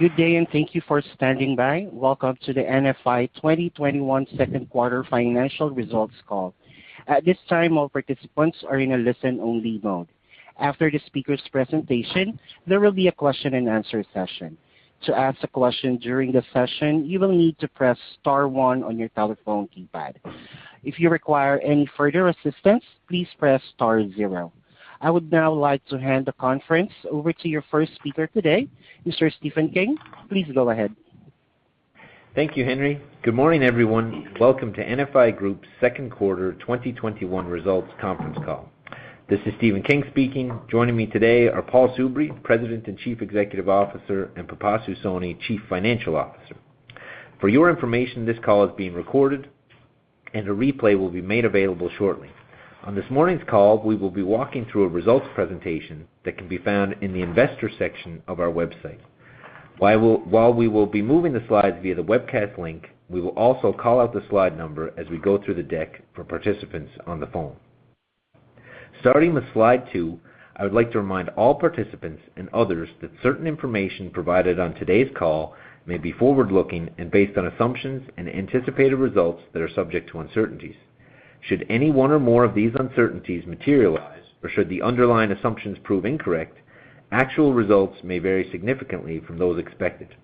Good day, and thank you for standing by. Welcome to the NFI 2021 second quarter financial results call. At this time, all participants are in a listen-only mode. After the speaker's presentation, there will be a question and answer session. To ask a question during the session you would need to press star one on your telephone keypad. If you require any further assistance, please press star zero. I would now like to hand the conference over to your first speaker today, Mr. Stephen King. Please go ahead. Thank you, Henry. Good morning, everyone. Welcome to NFI Group second quarter 2021 results conference call. This is Stephen King speaking. Joining me today are Paul Soubry, President and Chief Executive Officer, and Pipasu Soni, Chief Financial Officer. For your information, this call is being recorded, and a replay will be made available shortly. On this morning's call, we will be walking through a results presentation that can be found in the investor section of our website. While we will be moving the slides via the webcast link, we will also call out the slide number as we go through the deck for participants on the phone. Starting with slide two, I would like to remind all participants and others that certain information provided on today's call may be forward-looking and based on assumptions and anticipated results that are subject to uncertainties. Should any one or more of these uncertainties materialize, or should the underlying assumptions prove incorrect, actual results may vary significantly from those expected.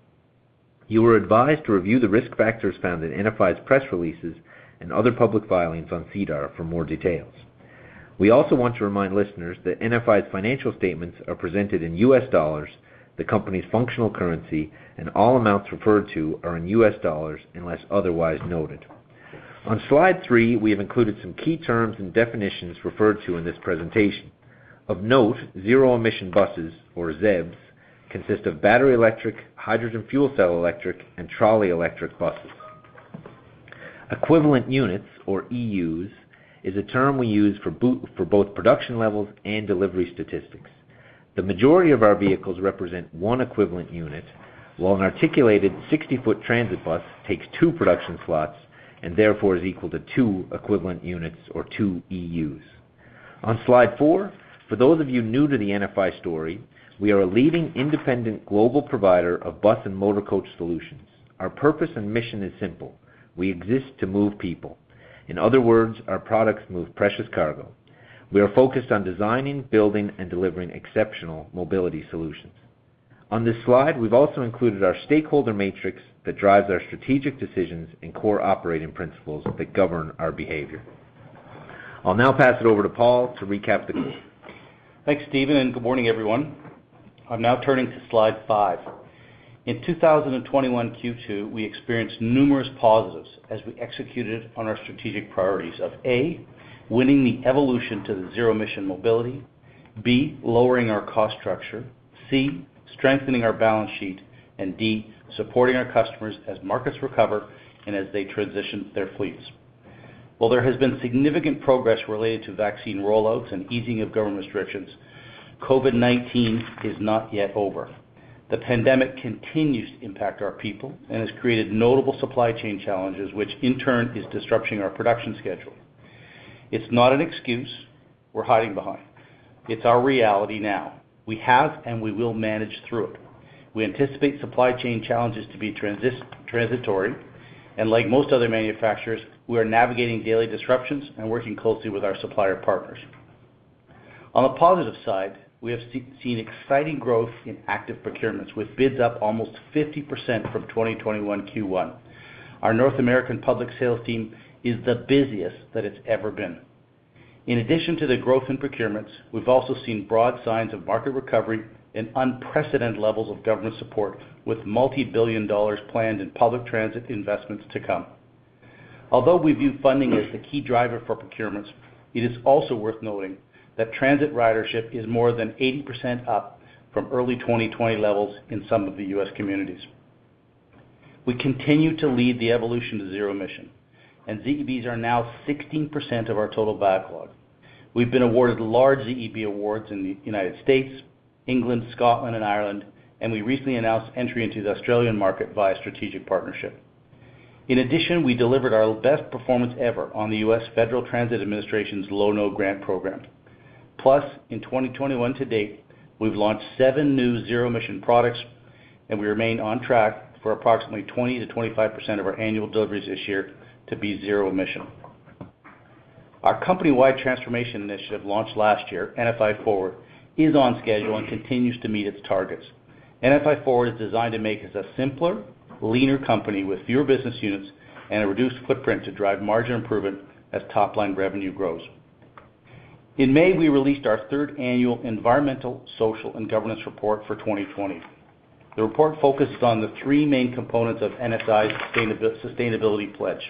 You are advised to review the risk factors found in NFI's press releases and other public filings on SEDAR for more details. We also want to remind listeners that NFI's financial statements are presented in US dollars, the company's functional currency, and all amounts referred to are in US dollars unless otherwise noted. On slide three, we have included some key terms and definitions referred to in this presentation. Of note, zero emission buses or ZEBs consist of battery electric, hydrogen fuel cell electric, and trolley electric buses. Equivalent units or EUs is a term we use for both production levels and delivery statistics. The majority of our vehicles represent one equivalent unit, while an articulated 60-foot transit bus takes two production slots and therefore is equal to two equivalent units or two EUs. On slide four, for those of you new to the NFI story, we are a leading independent global provider of bus and motor coach solutions. Our purpose and mission is simple. We exist to move people. In other words, our products move precious cargo. We are focused on designing, building, and delivering exceptional mobility solutions. On this slide, we've also included our stakeholder matrix that drives our strategic decisions and core operating principles that govern our behavior. I'll now pass it over to Paul to recap the call. Thanks, Stephen, and good morning, everyone. I'm now turning to slide five. In 2021 Q2, we experienced numerous positives as we executed on our strategic priorities of A, winning the evolution to the zero-emission mobility, B, lowering our cost structure, C, strengthening our balance sheet, and D, supporting our customers as markets recover and as they transition their fleets. While there has been significant progress related to vaccine roll-outs and easing of government restrictions, COVID-19 is not yet over. The pandemic continues to impact our people and has created notable supply chain challenges, which in turn is disrupting our production schedule. It's not an excuse we're hiding behind. It's our reality now. We have, and we will manage through it. We anticipate supply chain challenges to be transitory, and like most other manufacturers, we are navigating daily disruptions and working closely with our supplier partners. On the positive side, we have seen exciting growth in active procurements with bids up almost 50% from 2021 Q1. Our North American public sales team is the busiest that it's ever been. In addition to the growth in procurements, we've also seen broad signs of market recovery and unprecedented levels of government support with multi-billion-dollar planned in public transit investments to come. Although we view funding as the key driver for procurements, it is also worth noting that transit ridership is more than 80% up from early 2020 levels in some of the U.S. communities. We continue to lead the evolution to zero emission, and ZEBs are now 16% of our total backlog. We've been awarded large ZEB awards in the United States, England, Scotland, and Ireland, and we recently announced entry into the Australian market via a strategic partnership. In addition, we delivered our best performance ever on the U.S. Federal Transit Administration's Low or No Emission Grant Program. In 2021 to date, we've launched seven new zero-emission products, and we remain on track for approximately 20%-25% of our annual deliveries this year to be zero emission. Our company-wide transformation initiative launched last year, NFI Forward, is on schedule and continues to meet its targets. NFI Forward is designed to make us a simpler, leaner company with fewer business units and a reduced footprint to drive margin improvement as top-line revenue grows. In May, we released our third annual environmental, social, and governance report for 2020. The report focused on the three main components of NFI's sustainability pledge,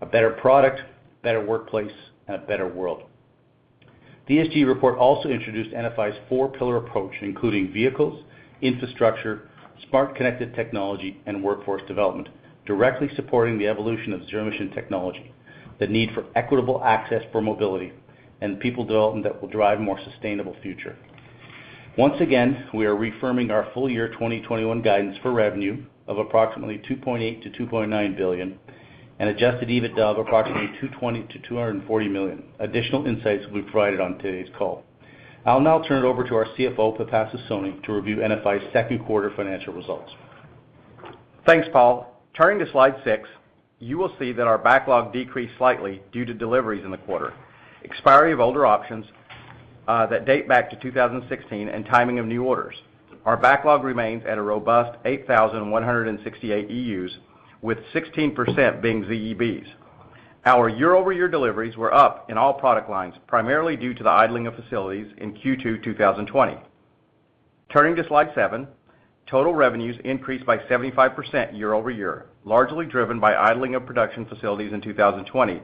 a better product, a better workplace, and a better world. The ESG report also introduced NFI's four-pillar approach, including vehicles, infrastructure, smart connected technology, and workforce development, directly supporting the evolution of zero-emission technology, the need for equitable access for mobility, and people development that will drive a more sustainable future. Once again, we are reaffirming our full year 2021 guidance for revenue of approximately $2.8 billion-$2.9 billion. Adjusted EBITDA of approximately $220 million-$240 million. Additional insights will be provided on today's call. I'll now turn it over to our CFO, Pipasu Soni, to review NFI's second quarter financial results. Thanks, Paul. Turning to slide six, you will see that our backlog decreased slightly due to deliveries in the quarter, expiry of older options that date back to 2016, and timing of new orders. Our backlog remains at a robust 8,168 EUs, with 16% being ZEBs. Our year-over-year deliveries were up in all product lines, primarily due to the idling of facilities in Q2 2020. Turning to slide seven, total revenues increased by 75% year-over-year, largely driven by idling of production facilities in 2020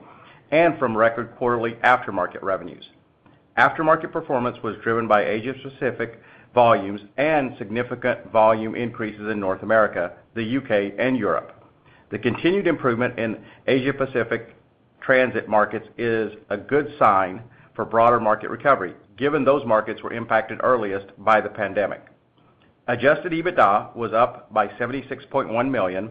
and from record quarterly aftermarket revenues. Aftermarket performance was driven by Asia-Pacific volumes and significant volume increases in North America, the U.K., and Europe. The continued improvement in Asia-Pacific transit markets is a good sign for broader market recovery, given those markets were impacted earliest by the pandemic. Adjusted EBITDA was up by $76.1 million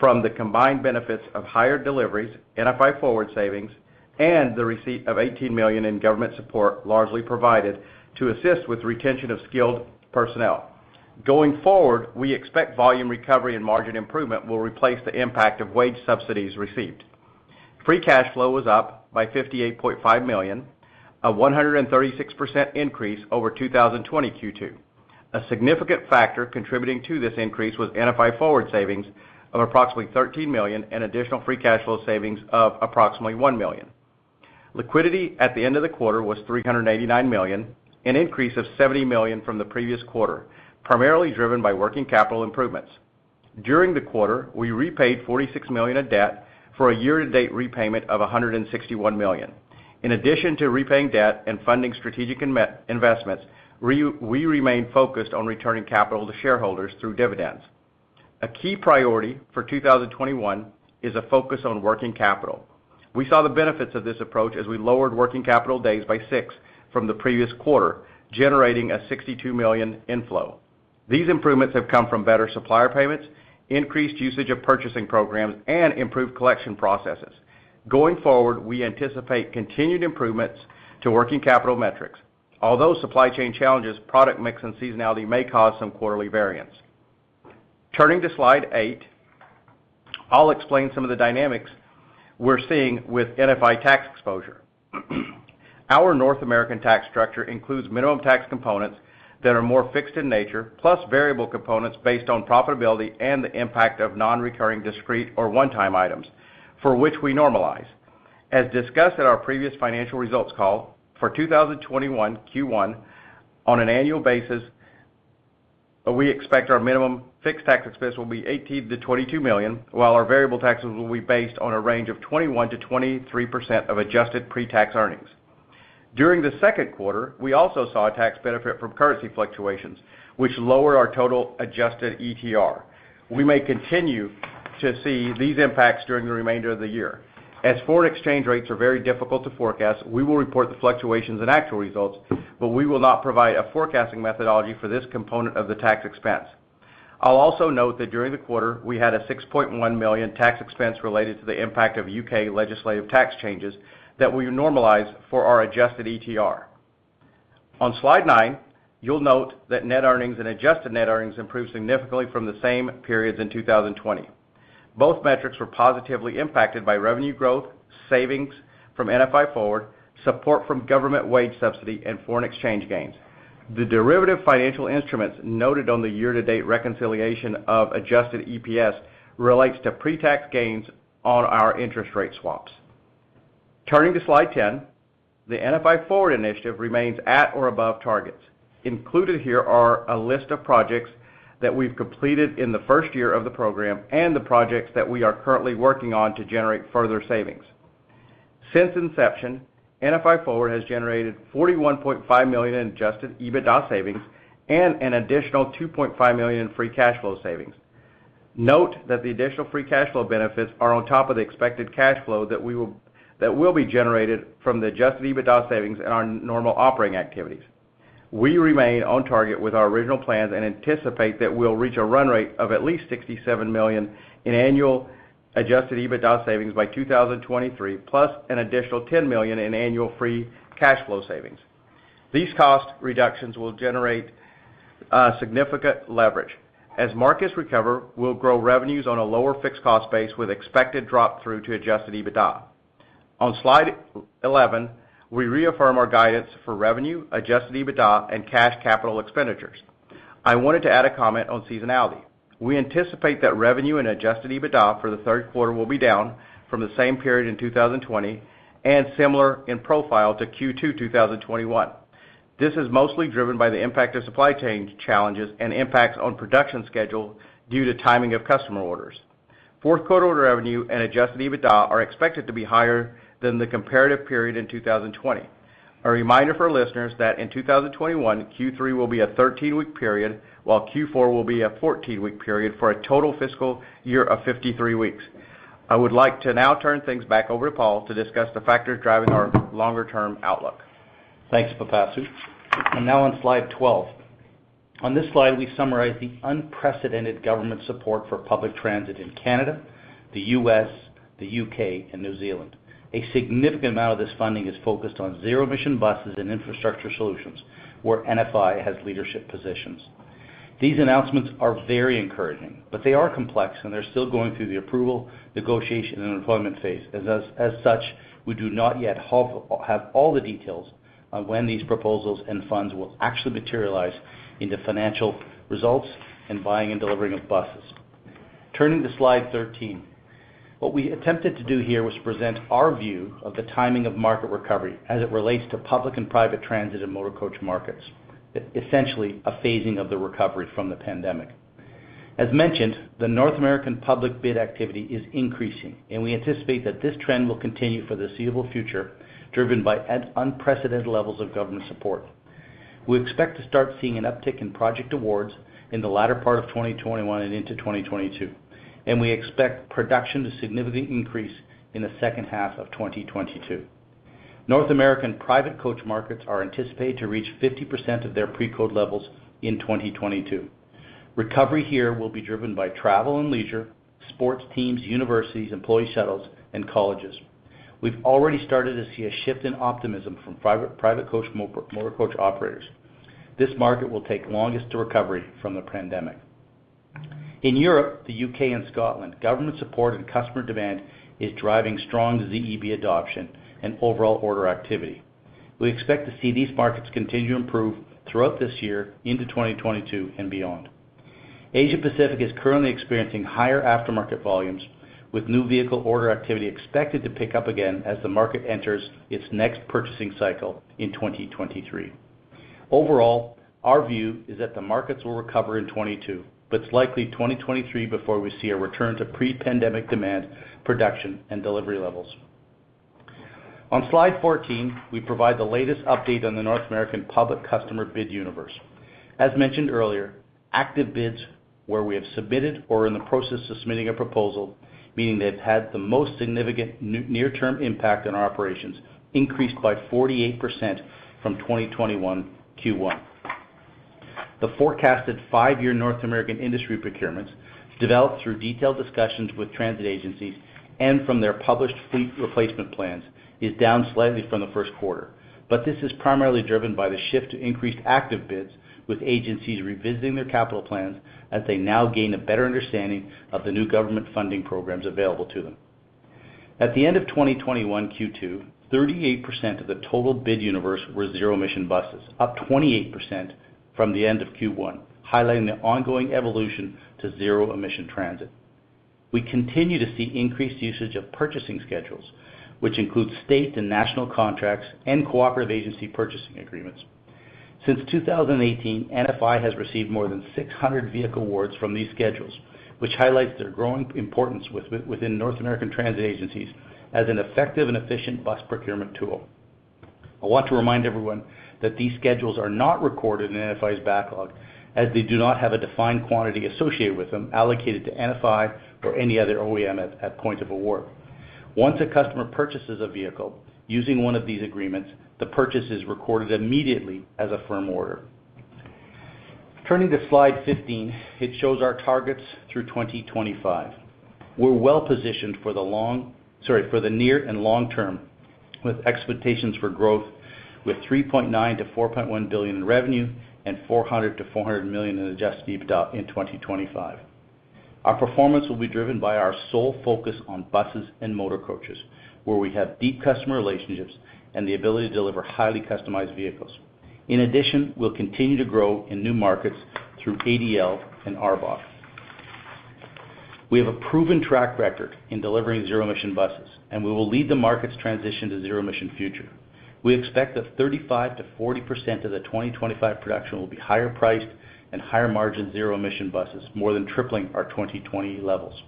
from the combined benefits of higher deliveries, NFI Forward savings, and the receipt of $18 million in government support, largely provided to assist with retention of skilled personnel. Going forward, we expect volume recovery and margin improvement will replace the impact of wage subsidies received. Free cash flow was up by $58.5 million, a 136% increase over 2020 Q2. A significant factor contributing to this increase was NFI Forward savings of approximately $13 million and additional free cash flow savings of approximately $1 million. Liquidity at the end of the quarter was $389 million, an increase of $70 million from the previous quarter, primarily driven by working capital improvements. During the quarter, we repaid $46 million of debt for a year-to-date repayment of $161 million. In addition to repaying debt and funding strategic investments, we remain focused on returning capital to shareholders through dividends. A key priority for 2021 is a focus on working capital. We saw the benefits of this approach as we lowered working capital days by six from the previous quarter, generating a 62 million inflow. These improvements have come from better supplier payments, increased usage of purchasing programs, and improved collection processes. Going forward, we anticipate continued improvements to working capital metrics, although supply chain challenges, product mix, and seasonality may cause some quarterly variance. Turning to slide eight, I'll explain some of the dynamics we're seeing with NFI tax exposure. Our North American tax structure includes minimum tax components that are more fixed in nature, plus variable components based on profitability and the impact of non-recurring discrete or one-time items, for which we normalize. As discussed at our previous financial results call, for 2021 Q1, on an annual basis, we expect our minimum fixed tax expense will be 18 million-22 million, while our variable taxes will be based on a range of 21%-23% of adjusted pre-tax earnings. During the second quarter, we also saw a tax benefit from currency fluctuations, which lowered our total adjusted ETR. We may continue to see these impacts during the remainder of the year. As foreign exchange rates are very difficult to forecast, we will report the fluctuations and actual results, but we will not provide a forecasting methodology for this component of the tax expense. I will also note that during the quarter, we had a 6.1 million tax expense related to the impact of U.K. legislative tax changes that we normalize for our adjusted ETR. On slide nine, you'll note that net earnings and adjusted net earnings improved significantly from the same periods in 2020. Both metrics were positively impacted by revenue growth, savings from NFI Forward, support from government wage subsidy, and foreign exchange gains. The derivative financial instruments noted on the year-to-date reconciliation of adjusted EPS relates to pre-tax gains on our interest rate swaps. Turning to slide 10, the NFI Forward initiative remains at or above targets. Included here are a list of projects that we've completed in the first year of the program and the projects that we are currently working on to generate further savings. Since inception, NFI Forward has generated $41.5 million in adjusted EBITDA savings and an additional $2.5 million in free cash flow savings. Note that the additional free cash flow benefits are on top of the expected cash flow that will be generated from the adjusted EBITDA savings in our normal operating activities. We remain on target with our original plans and anticipate that we'll reach a run rate of at least $67 million in annual adjusted EBITDA savings by 2023, plus an additional $10 million in annual free cash flow savings. These cost reductions will generate significant leverage. As markets recover, we'll grow revenues on a lower fixed cost base with expected drop through to adjusted EBITDA. On Slide 11, we reaffirm our guidance for revenue, adjusted EBITDA, and cash capital expenditures. I wanted to add a comment on seasonality. We anticipate that revenue and adjusted EBITDA for the third quarter will be down from the same period in 2020 and similar in profile to Q2 2021. This is mostly driven by the impact of supply chain challenges and impacts on production schedule due to timing of customer orders. Fourth quarter revenue and adjusted EBITDA are expected to be higher than the comparative period in 2020. A reminder for listeners that in 2021, Q3 will be a 13-week period, while Q4 will be a 14-week period, for a total fiscal year of 53 weeks. I would like to now turn things back over to Paul to discuss the factors driving our longer-term outlook. Thanks, Pipasu. Now on slide 12. On this slide, we summarize the unprecedented government support for public transit in Canada, the U.S., the U.K., and New Zealand. A significant amount of this funding is focused on zero-emission buses and infrastructure solutions, where NFI has leadership positions. These announcements are very encouraging, but they are complex, and they're still going through the approval, negotiation, and employment phase. As such, we do not yet have all the details on when these proposals and funds will actually materialize into financial results in buying and delivering of buses. Turning to slide 13. What we attempted to do here was present our view of the timing of market recovery as it relates to public and private transit and motor coach markets, essentially a phasing of the recovery from the pandemic. As mentioned, the North American public bid activity is increasing, and we anticipate that this trend will continue for the foreseeable future, driven by unprecedented levels of government support. We expect to start seeing an uptick in project awards in the latter part of 2021 and into 2022, and we expect production to significantly increase in the H2 of 2022. North American private coach markets are anticipated to reach 50% of their pre-COVID levels in 2022. Recovery here will be driven by travel and leisure, sports teams, universities, employee shuttles, and colleges. We've already started to see a shift in optimism from private coach motor coach operators. This market will take longest to recovery from the pandemic. In Europe, the U.K., and Scotland, government support and customer demand is driving strong ZEB adoption and overall order activity. We expect to see these markets continue to improve throughout this year into 2022 and beyond. Asia Pacific is currently experiencing higher aftermarket volumes, with new vehicle order activity expected to pick up again as the market enters its next purchasing cycle in 2023. Overall, our view is that the markets will recover in 2022, but it's likely 2023 before we see a return to pre-pandemic demand, production, and delivery levels. On slide 14, we provide the latest update on the North American public customer bid universe. As mentioned earlier, active bids where we have submitted or are in the process of submitting a proposal, meaning they've had the most significant near-term impact on our operations, increased by 48% from 2021 Q1. The forecasted five-year North American industry procurements, developed through detailed discussions with transit agencies and from their published fleet replacement plans, is down slightly from the first quarter. This is primarily driven by the shift to increased active bids, with agencies revisiting their capital plans as they now gain a better understanding of the new government funding programs available to them. At the end of 2021 Q2, 38% of the total bid universe were zero-emission buses, up 28% from the end of Q1, highlighting the ongoing evolution to zero-emission transit. We continue to see increased usage of purchasing schedules, which include state and national contracts and cooperative agency purchasing agreements. Since 2018, NFI has received more than 600 vehicle awards from these schedules, which highlights their growing importance within North American transit agencies as an effective and efficient bus procurement tool. I want to remind everyone that these schedules are not recorded in NFI's backlog, as they do not have a defined quantity associated with them allocated to NFI or any other OEM at point of award. Once a customer purchases a vehicle using one of these agreements, the purchase is recorded immediately as a firm order. Turning to slide 15, it shows our targets through 2025. We're well-positioned for the near and long term with expectations for growth with $3.9 billion-$4.1 billion in revenue and $400 million-$400 million in adjusted EBITDA in 2025. Our performance will be driven by our sole focus on buses and motor coaches, where we have deep customer relationships and the ability to deliver highly customized vehicles. In addition, we'll continue to grow in new markets through ADL and ARBOC. We have a proven track record in delivering zero-emission buses. We will lead the market's transition to zero-emission future. We expect that 35%-40% of the 2025 production will be higher priced and higher margin zero-emission buses, more than tripling our 2020 levels.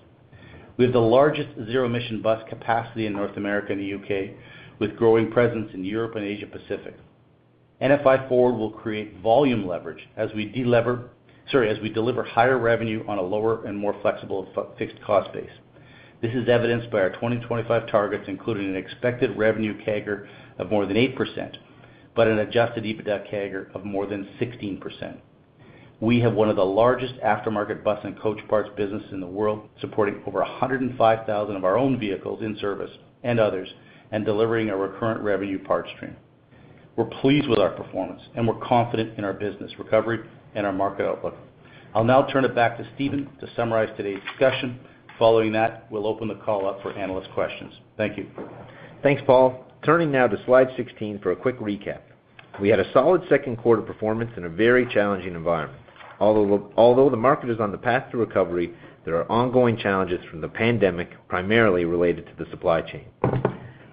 We have the largest zero-emission bus capacity in North America and the U.K., with growing presence in Europe and Asia Pacific. NFI Forward will create volume leverage as we deliver higher revenue on a lower and more flexible fixed cost base. This is evidenced by our 2025 targets, including an expected revenue CAGR of more than 8%, but an adjusted EBITDA CAGR of more than 16%. We have one of the largest aftermarket bus and coach parts business in the world, supporting over 105,000 of our own vehicles in service and others and delivering a recurrent revenue parts stream. We're pleased with our performance. We're confident in our business recovery and our market outlook. I'll now turn it back to Stephen to summarize today's discussion. Following that, we'll open the call up for analyst questions. Thank you. Thanks, Paul. Turning now to slide 16 for a quick recap. We had a solid second quarter performance in a very challenging environment. Although the market is on the path to recovery, there are ongoing challenges from the pandemic, primarily related to the supply chain.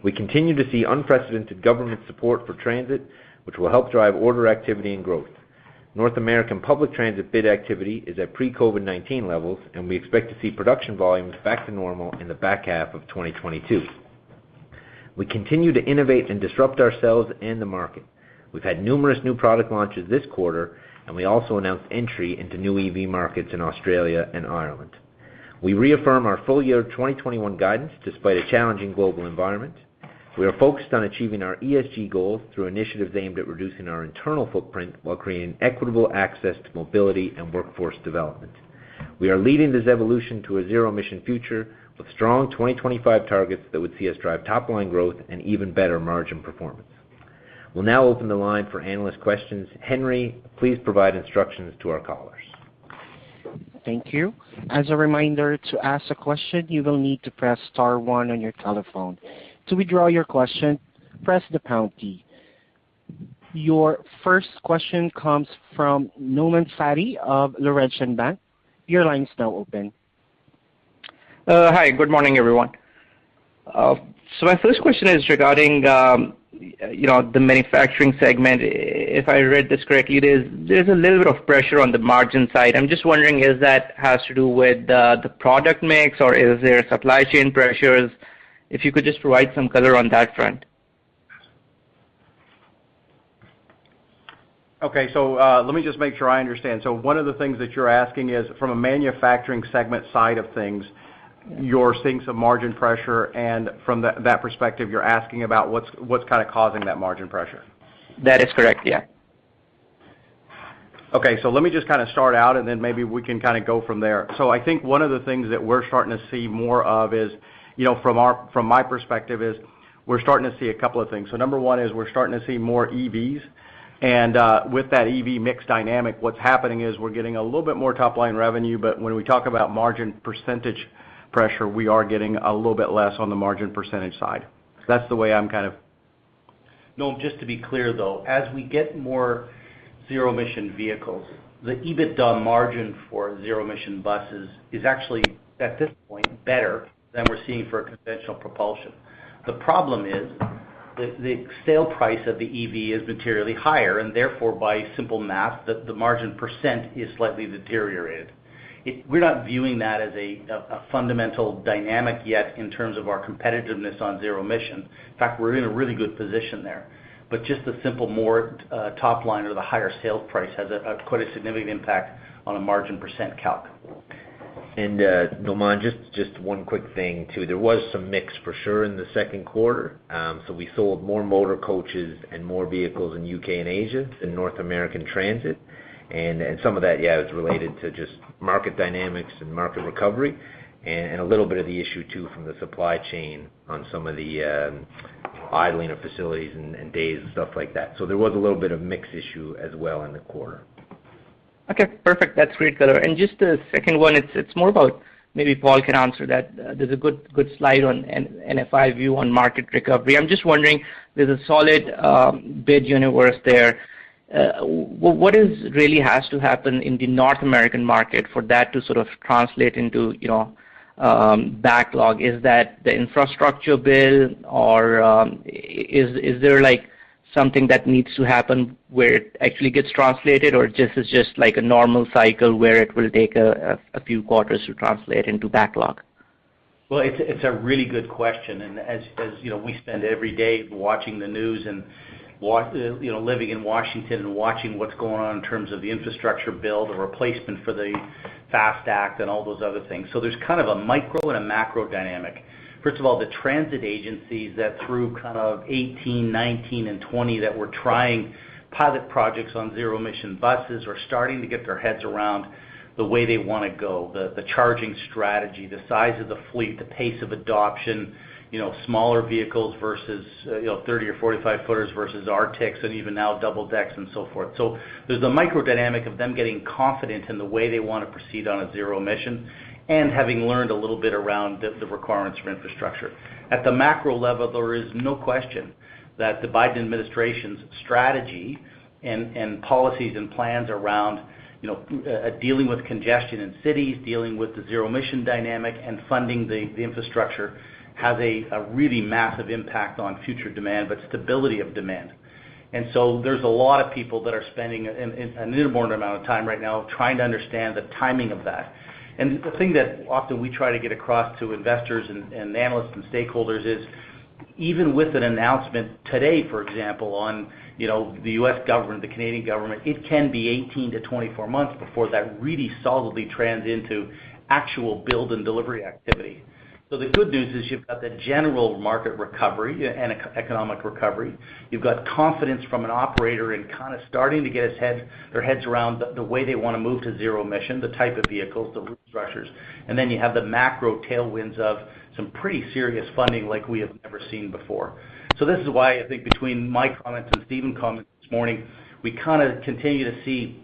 We continue to see unprecedented government support for transit, which will help drive order activity and growth. North American public transit bid activity is at pre-COVID-19 levels. We expect to see production volumes back to normal in the back half of 2022. We continue to innovate and disrupt ourselves and the market. We've had numerous new product launches this quarter. We also announced entry into new EV markets in Australia and Ireland. We reaffirm our full year 2021 guidance despite a challenging global environment. We are focused on achieving our ESG goals through initiatives aimed at reducing our internal footprint while creating equitable access to mobility and workforce development. We are leading this evolution to a zero-emission future with strong 2025 targets that would see us drive top-line growth and even better margin performance. We'll now open the line for analyst questions. Henry, please provide instructions to our callers. Thank you. As a reminder, to ask a question, you will need to press star one on your telephone. To withdraw your question, press the pound key. Your first question comes from Nauman Satti of Laurentian Bank. Your line's now open. Hi, good morning, everyone. My first question is regarding the manufacturing segment. If I read this correctly, there's a little bit of pressure on the margin side. I'm just wondering, is that has to do with the product mix, or is there supply chain pressures? If you could just provide some color on that front. Okay. Let me just make sure I understand. One of the things that you're asking is from a manufacturing segment side of things, you're seeing some margin pressure, and from that perspective, you're asking about what's kind of causing that margin pressure? That is correct. Yeah. Okay. Let me just kind of start out, and then maybe we can go from there. I think one of the things that we're starting to see more of is, from my perspective, is we're starting to see a couple of things. Number one is we're starting to see more EVs, and with that EV mix dynamic, what's happening is we're getting a little bit more top-line revenue. When we talk about margin percentage pressure, we are getting a little bit less on the margin percentage side. That's the way I'm kind of. Nauman, just to be clear, though, as we get more zero-emission vehicles, the EBITDA margin for zero-emission buses is actually, at this point, better than we're seeing for conventional propulsion. The problem is the sale price of the EV is materially higher, therefore, by simple math, the margin percent is slightly deteriorated. We're not viewing that as a fundamental dynamic yet in terms of our competitiveness on zero emission. In fact, we're in a really good position there. Just the simple more top line or the higher sales price has quite a significant impact on a margin percent calc. Nauman, just one quick thing, too. There was some mix for sure in the second quarter. We sold more motor coaches and more vehicles in U.K. and Asia than North American transit. Some of that, yeah, is related to just market dynamics and market recovery and a little bit of the issue, too, from the supply chain on some of the idling of facilities and days and stuff like that. There was a little bit of mix issue as well in the quarter. Okay, perfect. That's great color. Just a second one, it's more about, maybe Paul can answer that. There's a good slide on NFI view on market recovery. I'm just wondering, there's a solid bid universe there. What is really has to happen in the North American market for that to sort of translate into backlog? Is that the infrastructure build or is there something that needs to happen where it actually gets translated, or this is just like a normal cycle where it will take a few quarters to translate into backlog? Well, it's a really good question. As we spend every day watching the news and living in Washington and watching what's going on in terms of the infrastructure build, the replacement for the FAST Act and all those other things. There's kind of a micro and a macro dynamic. First of all, the transit agencies that through kind of 2018, 2019 and 2020 that were trying pilot projects on zero-emission buses are starting to get their heads around the way they want to go, the charging strategy, the size of the fleet, the pace of adoption, smaller vehicles versus 30 or 45-footers versus Artics, and even now double decks and so forth. There's a micro dynamic of them getting confident in the way they want to proceed on a zero emission and having learned a little bit around the requirements for infrastructure. At the macro level, there is no question that the Biden administration's strategy and policies and plans around dealing with congestion in cities, dealing with the zero emission dynamic, and funding the infrastructure has a really massive impact on future demand, but stability of demand. There's a lot of people that are spending an inordinate amount of time right now trying to understand the timing of that. The thing that often we try to get across to investors and analysts and stakeholders is even with an announcement today, for example, on the U.S. government, the Canadian government, it can be 18-24 months before that really solidly trends into actual build and delivery activity. The good news is you've got the general market recovery and economic recovery. You've got confidence from an operator in kind of starting to get their heads around the way they want to move to zero emission, the type of vehicles, the route structures. Then you have the macro tailwinds of some pretty serious funding like we have never seen before. This is why I think between my comments and Stephen comments this morning, we kind of continue to see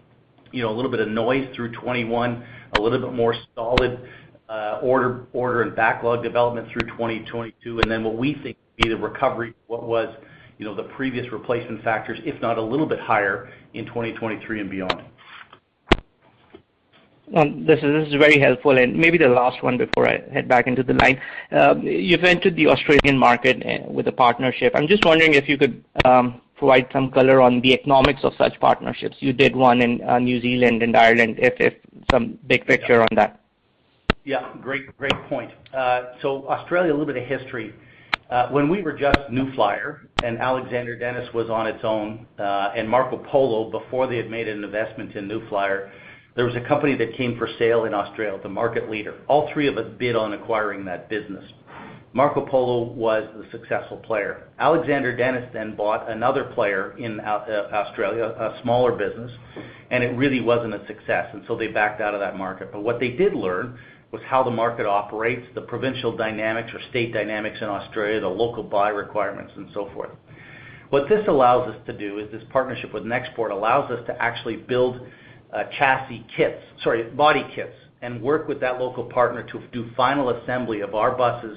a little bit of noise through 2021, a little bit more solid order and backlog development through 2022, and then what we think will be the recovery, what was the previous replacement factors, if not a little bit higher in 2023 and beyond. This is very helpful, and maybe the last one before I head back into the line. You've entered the Australian market with a partnership. I'm just wondering if you could provide some color on the economics of such partnerships. You did one in New Zealand and Ireland, if some big picture on that. Yeah. Great point. Australia, a little bit of history. When we were just New Flyer and Alexander Dennis was on its own, and Marcopolo, before they had made an investment in New Flyer, there was a company that came for sale in Australia, the market leader. All three of us bid on acquiring that business. Marcopolo was the successful player. Alexander Dennis then bought another player in Australia, a smaller business, and it really wasn't a success. They backed out of that market. What they did learn was how the market operates, the provincial dynamics or state dynamics in Australia, the local buy requirements, and so forth. What this allows us to do is, this partnership with Nexport allows us to actually build body kits, and work with that local partner to do final assembly of our buses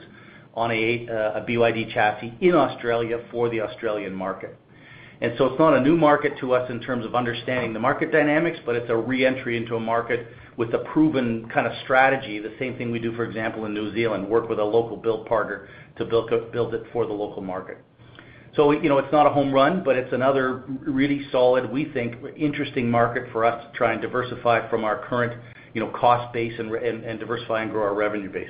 on a BYD chassis in Australia for the Australian market. It's not a new market to us in terms of understanding the market dynamics, but it's a re-entry into a market with a proven kind of strategy. The same thing we do, for example, in New Zealand, work with a local build partner to build it for the local market. It's not a home run, but it's another really solid, we think, interesting market for us to try and diversify from our current cost base and diversify and grow our revenue base.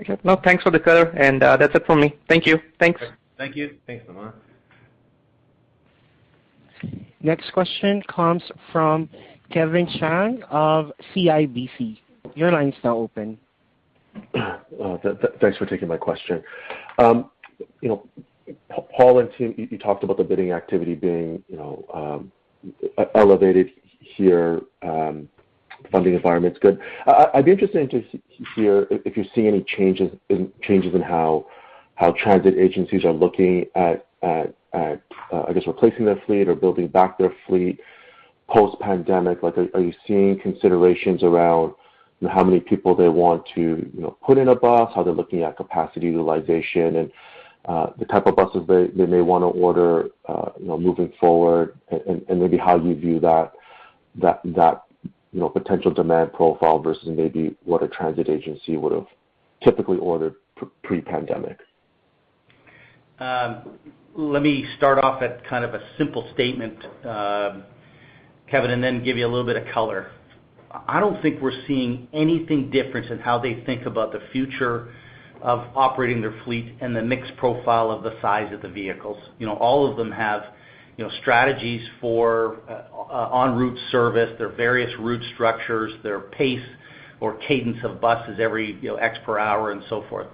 Okay. Well, thanks for the color. That's it for me. Thank you. Thanks. Thank you. Thanks, Nauman. Next question comes from Kevin Chiang of CIBC. Your line's now open. Thanks for taking my question. Paul and team, you talked about the bidding activity being elevated here, funding environment's good. I'd be interested to hear if you see any changes in how transit agencies are looking at, I guess, replacing their fleet or building back their fleet post-pandemic. Are you seeing considerations around how many people they want to put in a bus, how they're looking at capacity utilization and the type of buses they may want to order moving forward, maybe how you view that potential demand profile versus maybe what a transit agency would've typically ordered pre-pandemic? Let me start off at kind of a simple statement, Kevin, and then give you a little bit of color. I don't think we're seeing anything different in how they think about the future of operating their fleet and the mix profile of the size of the vehicles. All of them have strategies for on-route service, their various route structures, their pace or cadence of buses every X per hour, and so forth.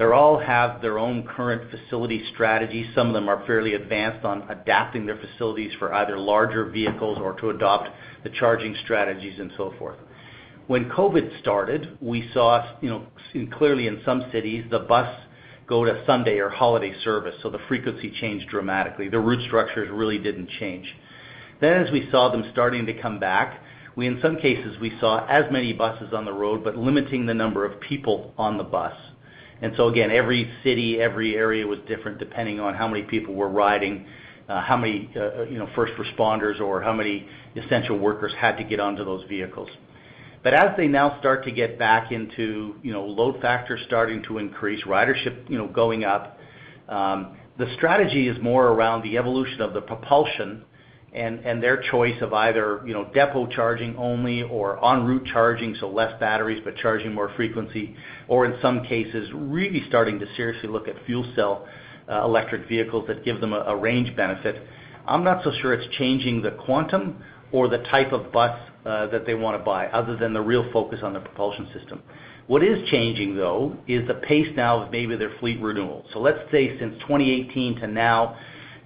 They all have their own current facility strategy. Some of them are fairly advanced on adapting their facilities for either larger vehicles or to adopt the charging strategies and so forth. When COVID started, we saw, clearly in some cities, the bus go to Sunday or holiday service, so the frequency changed dramatically. The route structures really didn't change. As we saw them starting to come back, in some cases, we saw as many buses on the road, but limiting the number of people on the bus. Again, every city, every area was different depending on how many people were riding, how many first responders or how many essential workers had to get onto those vehicles. As they now start to get back into load factors starting to increase, ridership going up, the strategy is more around the evolution of the propulsion and their choice of either depot charging only or on-route charging, so less batteries, but charging more frequency. In some cases, really starting to seriously look at fuel cell electric vehicles that give them a range benefit. I'm not so sure it's changing the quantum or the type of bus that they want to buy, other than the real focus on the propulsion system. What is changing, though, is the pace now of maybe their fleet renewal. Let's say since 2018 to now,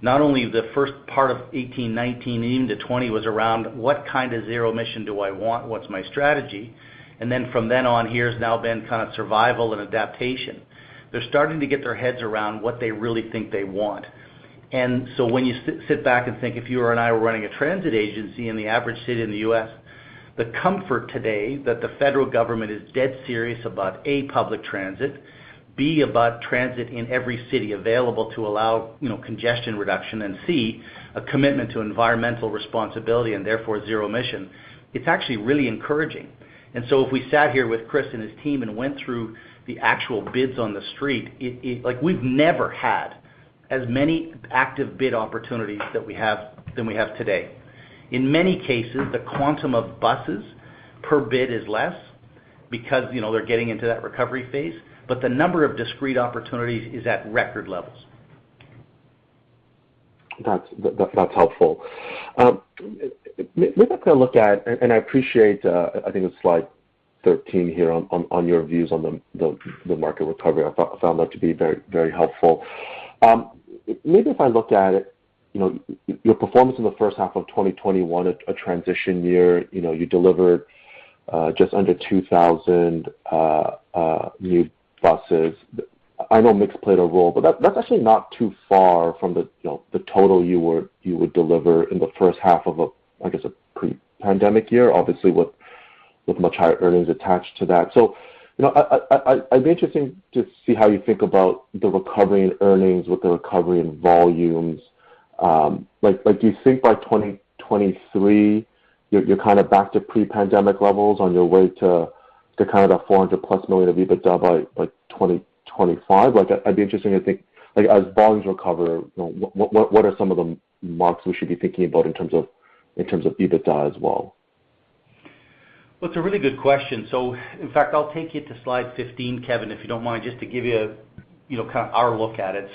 not only the first part of 2018, 2019, even to 2020 was around what kind of zero-emission do I want? What's my strategy? From then on, here has now been kind of survival and adaptation. They're starting to get their heads around what they really think they want. When you sit back and think if you and I were running a transit agency in the average city in the U.S., the comfort today that the federal government is dead serious about, A, public transit, B, about transit in every city available to allow congestion reduction, and C, a commitment to environmental responsibility and therefore zero emission, it's actually really encouraging. If we sat here with Chris and his team and went through the actual bids on the street, we've never had as many active bid opportunities than we have today. In many cases, the quantum of buses per bid is less because they're getting into that recovery phase, but the number of discrete opportunities is at record levels. That's helpful. Maybe if I look at, and I appreciate, I think it's slide 13 here on your views on the market recovery. I found that to be very helpful. Maybe if I looked at it, your performance in the H1 of 2021, a transition year. You delivered just under 2,000 new buses. That's actually not too far from the total you would deliver in the first half of a, I guess, a pre-pandemic year, obviously with much higher earnings attached to that. I'd be interested to see how you think about the recovery in earnings with the recovery in volumes. Do you think by 2023, you're kind of back to pre-pandemic levels on your way to kind of that $400-plus million of EBITDA by 2025? I'd be interested, I think as volumes recover, what are some of the marks we should be thinking about in terms of EBITDA as well? It's a really good question. In fact, I'll take you to slide 15, Kevin, if you don't mind, just to give you a kind of our look at it.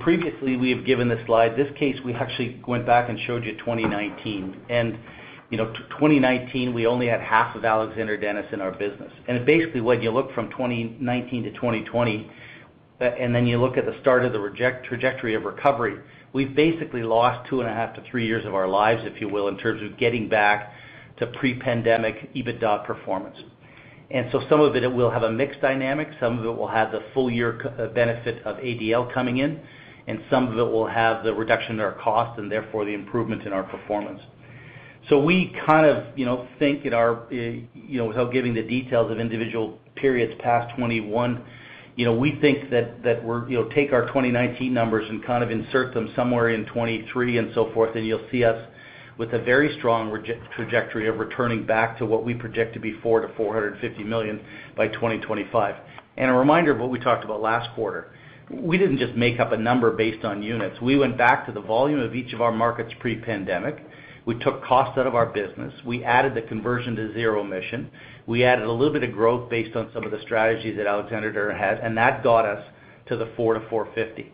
Previously, we have given this slide. This case, we actually went back and showed you 2019. 2019, we only had half of Alexander Dennis in our business. Basically, when you look from 2019-2020, then you look at the start of the trajectory of recovery, we've basically lost two and a half to three years of our lives, if you will, in terms of getting back to pre-pandemic EBITDA performance. Some of it will have a mixed dynamic, some of it will have the full year benefit of ADL coming in, and some of it will have the reduction in our cost, and therefore, the improvement in our performance. We kind of think, without giving the details of individual periods past 2021, we think that take our 2019 numbers and kind of insert them somewhere in 2023 and so forth, and you'll see us with a very strong trajectory of returning back to what we predict to be $400 million-$450 million by 2025. A reminder of what we talked about last quarter. We didn't just make up a number based on units. We went back to the volume of each of our markets pre-pandemic. We took cost out of our business. We added the conversion to zero-emission. We added a little bit of growth based on some of the strategies that Alexander Dennis had, and that got us to the $400 million-$450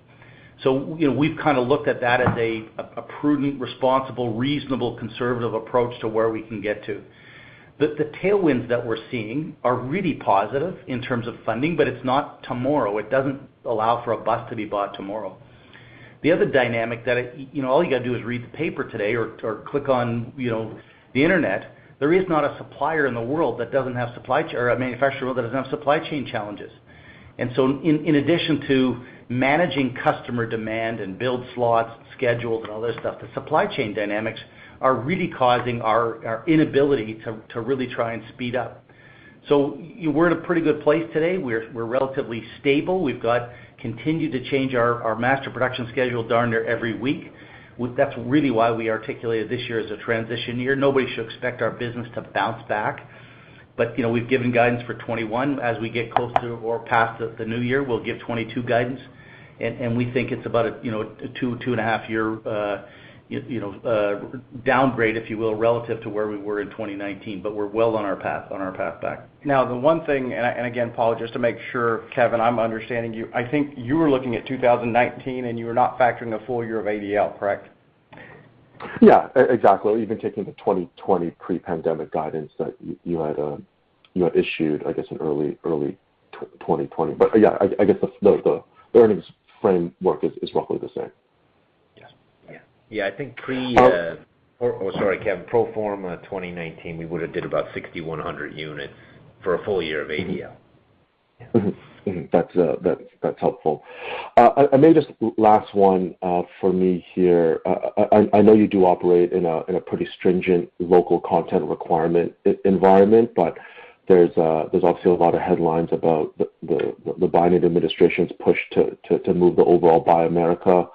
million. We've kind of looked at that as a prudent, responsible, reasonable, conservative approach to where we can get to. The tailwinds that we're seeing are really positive in terms of funding. It's not tomorrow. It doesn't allow for a bus to be bought tomorrow. The other dynamic that, all you got to do is read the paper today or click on the internet, there is not a supplier in the world or a manufacturer that doesn't have supply chain challenges. In addition to managing customer demand and build slots, schedules, and all this stuff, the supply chain dynamics are really causing our inability to really try and speed up. We're in a pretty good place today. We're relatively stable. We've got continued to change our master production schedule darn near every week. That's really why we articulated this year as a transition year. Nobody should expect our business to bounce back. We've given guidance for 2021. As we get closer or past the new year, we'll give 2022 guidance. We think it's about a two and a half year downgrade, if you will, relative to where we were in 2019, but we're well on our path back. Now, the one thing, and again, Paul, just to make sure, Kevin, I'm understanding you, I think you were looking at 2019, and you were not factoring a full year of ADL, correct? Yeah, exactly. Even taking the 2020 pre-pandemic guidance that you had issued, I guess, in early 2020. Yeah, I guess the earnings framework is roughly the same. Yeah. Yeah. I think sorry, Kevin, pro forma 2019, we would've did about 6,100 units for a full year of ADL. That's helpful. Maybe just last one for me here. I know you do operate in a pretty stringent local content requirement environment, but there's obviously a lot of headlines about the Biden administration's push to move the overall Buy America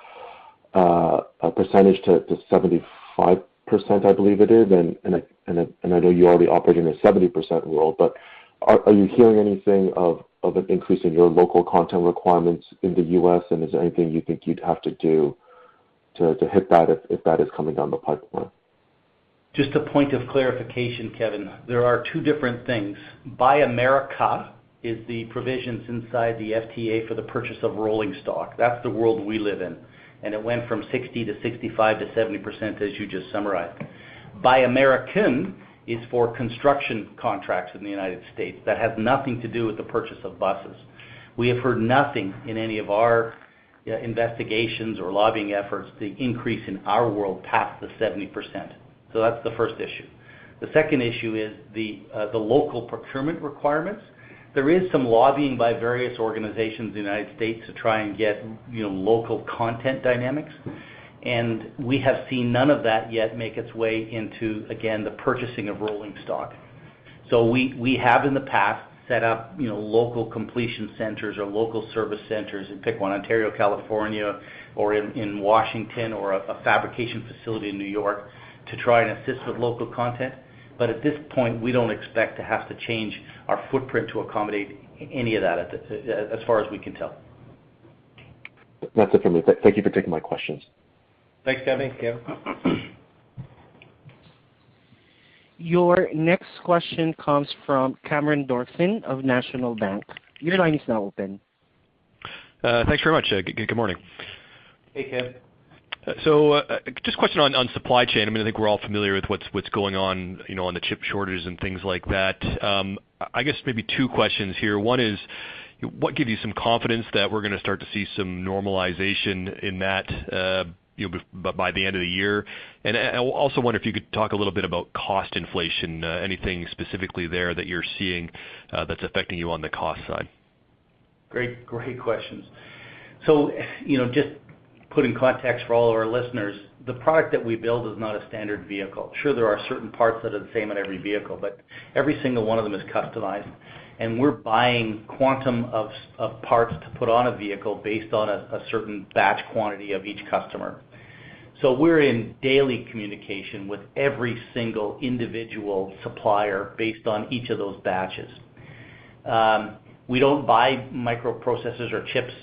percentage to 75%, I believe it is, and I know you already operate in a 70% world, but are you hearing anything of an increase in your local content requirements in the U.S., and is there anything you think you'd have to do to hit that if that is coming down the pipeline? Just a point of clarification, Kevin. There are two different things. Buy America is the provisions inside the FTA for the purchase of rolling stock. That's the world we live in, and it went from 60%-65%-70%, as you just summarized. Buy American is for construction contracts in the United States. That has nothing to do with the purchase of buses. We have heard nothing in any of our investigations or lobbying efforts to increase in our world past the 70%. That's the first issue. The second issue is the local procurement requirements. There is some lobbying by various organizations in the United States to try and get local content dynamics, and we have seen none of that yet make its way into, again, the purchasing of rolling stock. We have in the past set up local completion centers or local service centers in, pick one, Ontario, California, or in Washington or a fabrication facility in New York to try and assist with local content. At this point, we don't expect to have to change our footprint to accommodate any of that as far as we can tell. That's it for me. Thank you for taking my questions. Thanks, Kevin. Kev. Your next question comes from Cameron Doerksen of National Bank Financial. Your line is now open. Thanks very much. Good morning. Hey, Cam. Just a question on supply chain. I think we're all familiar with what's going on the chip shortage and things like that. I guess maybe two questions here. One is, what gives you some confidence that we're going to start to see some normalization in that by the end of the year? I also wonder if you could talk a little bit about cost inflation. Anything specifically there that you're seeing that's affecting you on the cost side? Great questions. Just put in context for all of our listeners, the product that we build is not a standard vehicle. Sure, there are certain parts that are the same on every vehicle, but every single one of them is customized, and we're buying quantum of parts to put on a vehicle based on a certain batch quantity of each customer. We're in daily communication with every single individual supplier based on each of those batches. We don't buy microprocessors or chips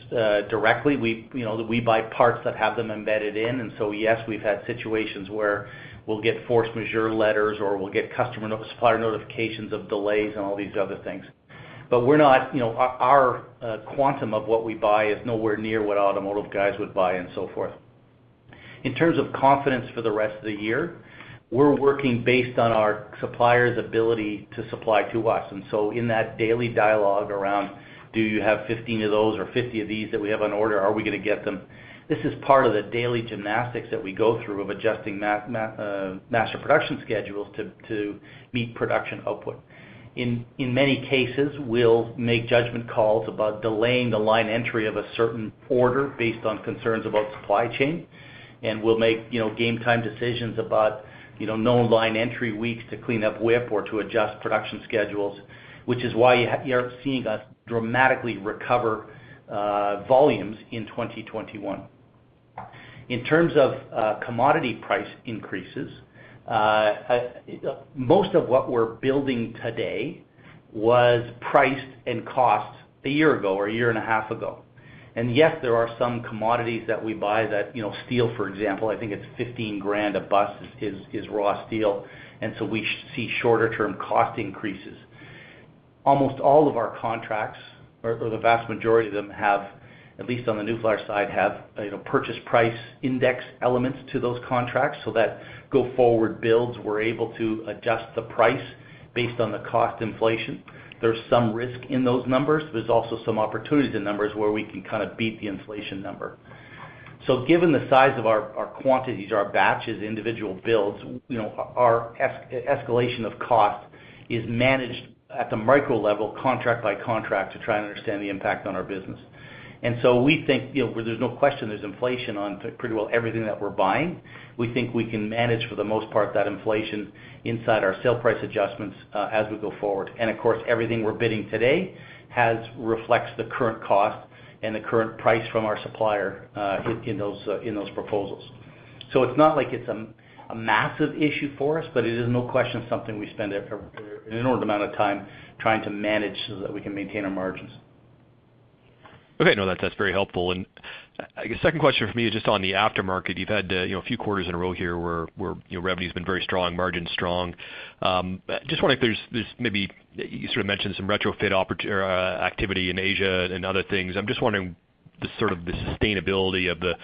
directly. We buy parts that have them embedded in, and so yes, we've had situations where we'll get force majeure letters or we'll get customer supplier notifications of delays and all these other things. Our quantum of what we buy is nowhere near what automotive guys would buy and so forth. In terms of confidence for the rest of the year, we're working based on our suppliers' ability to supply to us. In that daily dialogue around, "Do you have 15 of those or 50 of these that we have on order? Are we going to get them?" This is part of the daily gymnastics that we go through of adjusting master production schedules to meet production output. In many cases, we'll make judgment calls about delaying the line entry of a certain order based on concerns about supply chain, and we'll make game time decisions about no line entry weeks to clean up WIP or to adjust production schedules, which is why you aren't seeing us dramatically recover volumes in 2021. In terms of commodity price increases, most of what we're building today was priced and cost a year ago or a year and a half ago. Yes, there are some commodities that we buy, steel, for example. I think it's $15,000 a bus is raw steel. We see shorter-term cost increases. Almost all of our contracts, or the vast majority of them, at least on the New Flyer side, have purchase price index elements to those contracts so that go forward builds, we're able to adjust the price based on the cost inflation. There's some risk in those numbers. There's also some opportunity in the numbers where we can kind of beat the inflation number. Given the size of our quantities, our batches, individual builds, our escalation of cost is managed at the micro level, contract by contract, to try and understand the impact on our business. We think there's no question there's inflation on pretty well everything that we're buying. We think we can manage, for the most part, that inflation inside our sale price adjustments as we go forward. Of course, everything we're bidding today reflects the current cost and the current price from our supplier in those proposals. It's not like it's a massive issue for us, but it is, no question, something we spend an inordinate amount of time trying to manage so that we can maintain our margins. Okay. No, that's very helpful. I guess second question from me is just on the aftermarket. You've had a few quarters in a row here where your revenue's been very strong, margin's strong. You sort of mentioned some retrofit activity in Asia and other things. I'm just wondering the sort of the sustainability of the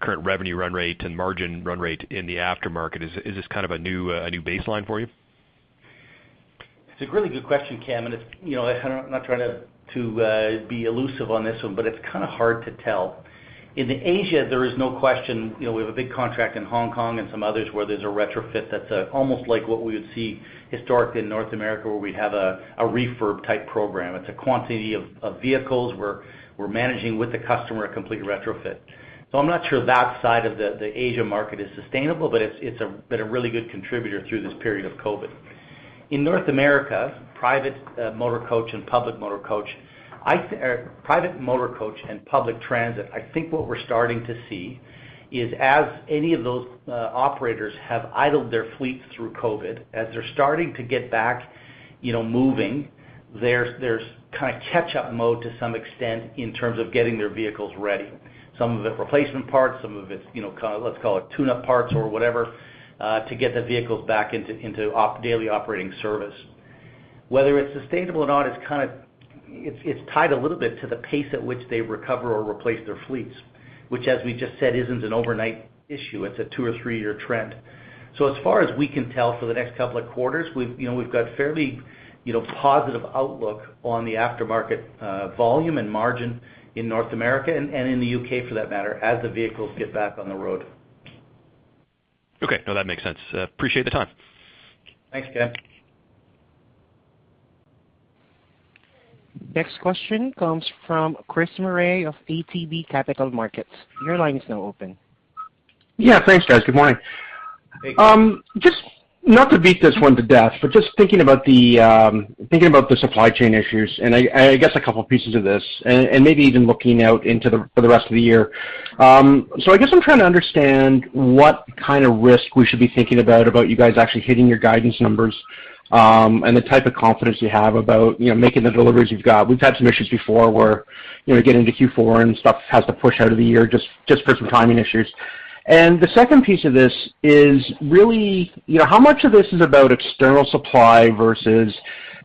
current revenue run rate and margin run rate in the aftermarket. Is this kind of a new baseline for you? It's a really good question, Cam. I'm not trying to be elusive on this one, it's kind of hard to tell. In Asia, there is no question, we have a big contract in Hong Kong and some others where there's a retrofit that's almost like what we would see historically in North America, where we'd have a refurb type program. It's a quantity of vehicles where we're managing with the customer a complete retrofit. I'm not sure that side of the Asia market is sustainable, it's been a really good contributor through this period of COVID. In North America, private motor coach and public transit, I think what we're starting to see is as any of those operators have idled their fleets through COVID, as they're starting to get back moving, there's kind of catch-up mode to some extent in terms of getting their vehicles ready. Some of it replacement parts, some of it's, let's call it tune-up parts or whatever, to get the vehicles back into daily operating service. Whether it's sustainable or not, it's tied a little bit to the pace at which they recover or replace their fleets, which as we just said, isn't an overnight issue. It's a two or three-year trend. As far as we can tell for the next couple of quarters, we've got fairly positive outlook on the aftermarket volume and margin in North America, and in the U.K. for that matter, as the vehicles get back on the road. Okay. No, that makes sense. Appreciate the time. Thanks, Cam. Next question comes from Chris Murray of ATB Capital Markets. Your line is now open. Yeah, thanks guys. Good morning. Hey, Chris. Just not to beat this one to death, but just thinking about the supply chain issues, and I guess a couple pieces of this, and maybe even looking out into the rest of the year. I guess I'm trying to understand what kind of risk we should be thinking about you guys actually hitting your guidance numbers, and the type of confidence you have about making the deliveries you've got. We've had some issues before where getting to Q4 and stuff has to push out of the year just for some timing issues. The second piece of this is really how much of this is about external supply versus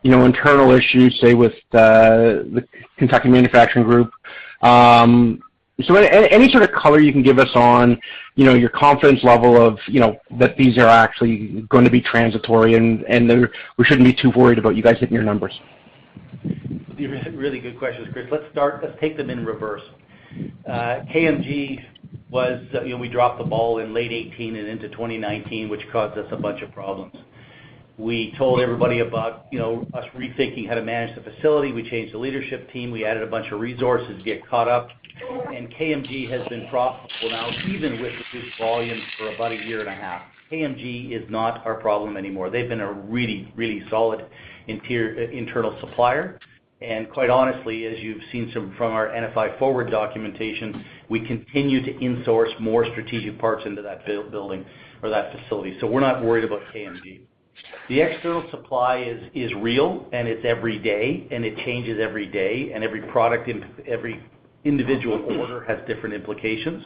internal issues, say with the Kentucky Manufacturing Group? Any sort of color you can give us on your confidence level of that these are actually going to be transitory and we shouldn't be too worried about you guys hitting your numbers? Really good questions, Chris. Let's take them in reverse. KMG, we dropped the ball in late 2018 and into 2019, which caused us a bunch of problems. We told everybody about us rethinking how to manage the facility. We changed the leadership team. We added a bunch of resources to get caught up. KMG has been profitable now, even with reduced volume, for about a year and a half. KMG is not our problem anymore. They've been a really solid internal supplier, and quite honestly, as you've seen from our NFI Forward documentation, we continue to in-source more strategic parts into that building or that facility. We're not worried about KMG. The external supply is real, and it's every day, and it changes every day, and every product and every individual order has different implications.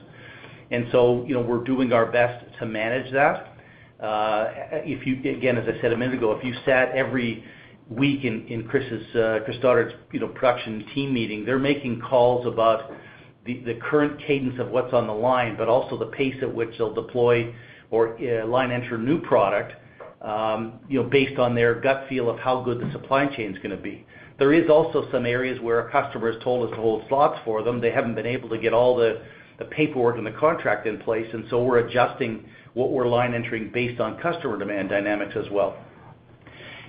We're doing our best to manage that. Again, as I said a minute ago, if you sat every week in Chris Stoddart's production team meeting, they're making calls about the current cadence of what's on the line, but also the pace at which they'll deploy or line enter new product based on their gut feel of how good the supply chain's going to be. There is also some areas where a customer has told us to hold slots for them. They haven't been able to get all the paperwork and the contract in place. We're adjusting what we're line entering based on customer demand dynamics as well.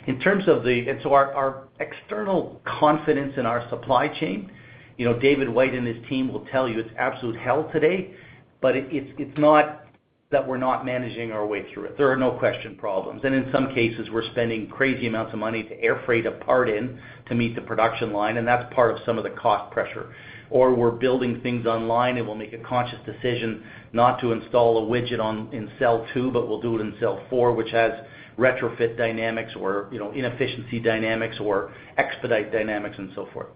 Our external confidence in our supply chain, David White and his team will tell you it's absolute hell today, but it's not that we're not managing our way through it. There are no question problems, and in some cases, we're spending crazy amounts of money to air freight a part in to meet the production line, and that's part of some of the cost pressure. We're building things online, and we'll make a conscious decision not to install a widget in cell two, but we'll do it in cell four, which has retrofit dynamics or inefficiency dynamics or expedite dynamics and so forth.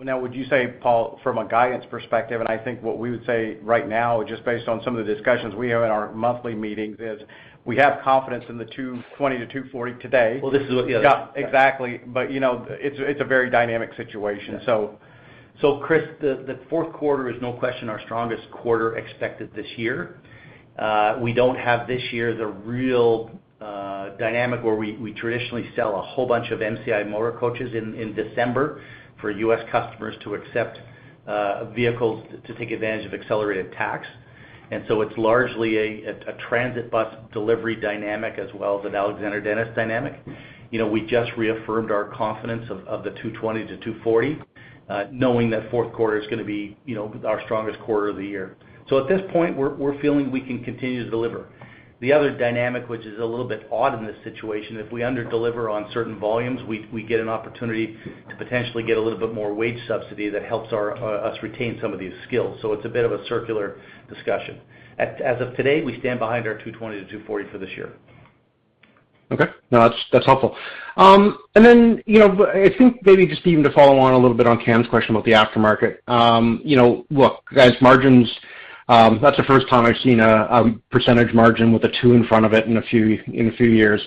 Now would you say, Paul, from a guidance perspective, and I think what we would say right now, just based on some of the discussions we have in our monthly meetings, is we have confidence in the $220-$240 today. Well, this is what the other- Yeah, exactly. It's a very dynamic situation. Chris, the fourth quarter is no question our strongest quarter expected this year. We don't have this year the real dynamic where we traditionally sell a whole bunch of MCI motor coaches in December for U.S. customers to accept vehicles to take advantage of accelerated tax. It's largely a transit bus delivery dynamic as well as an Alexander Dennis dynamic. We just reaffirmed our confidence of the 220-240, knowing that fourth quarter's going to be our strongest quarter of the year. At this point, we're feeling we can continue to deliver. The other dynamic, which is a little bit odd in this situation, if we under-deliver on certain volumes, we get an opportunity to potentially get a little bit more wage subsidy that helps us retain some of these skills. It's a bit of a circular discussion. As of today, we stand behind our $220-$240 for this year. Okay. No, that's helpful. Then, I think maybe just even to follow on a little bit on Cam's question about the aftermarket. Look, guys, margins, that's the first time I've seen a percentage margin with a two in front of it in a few years.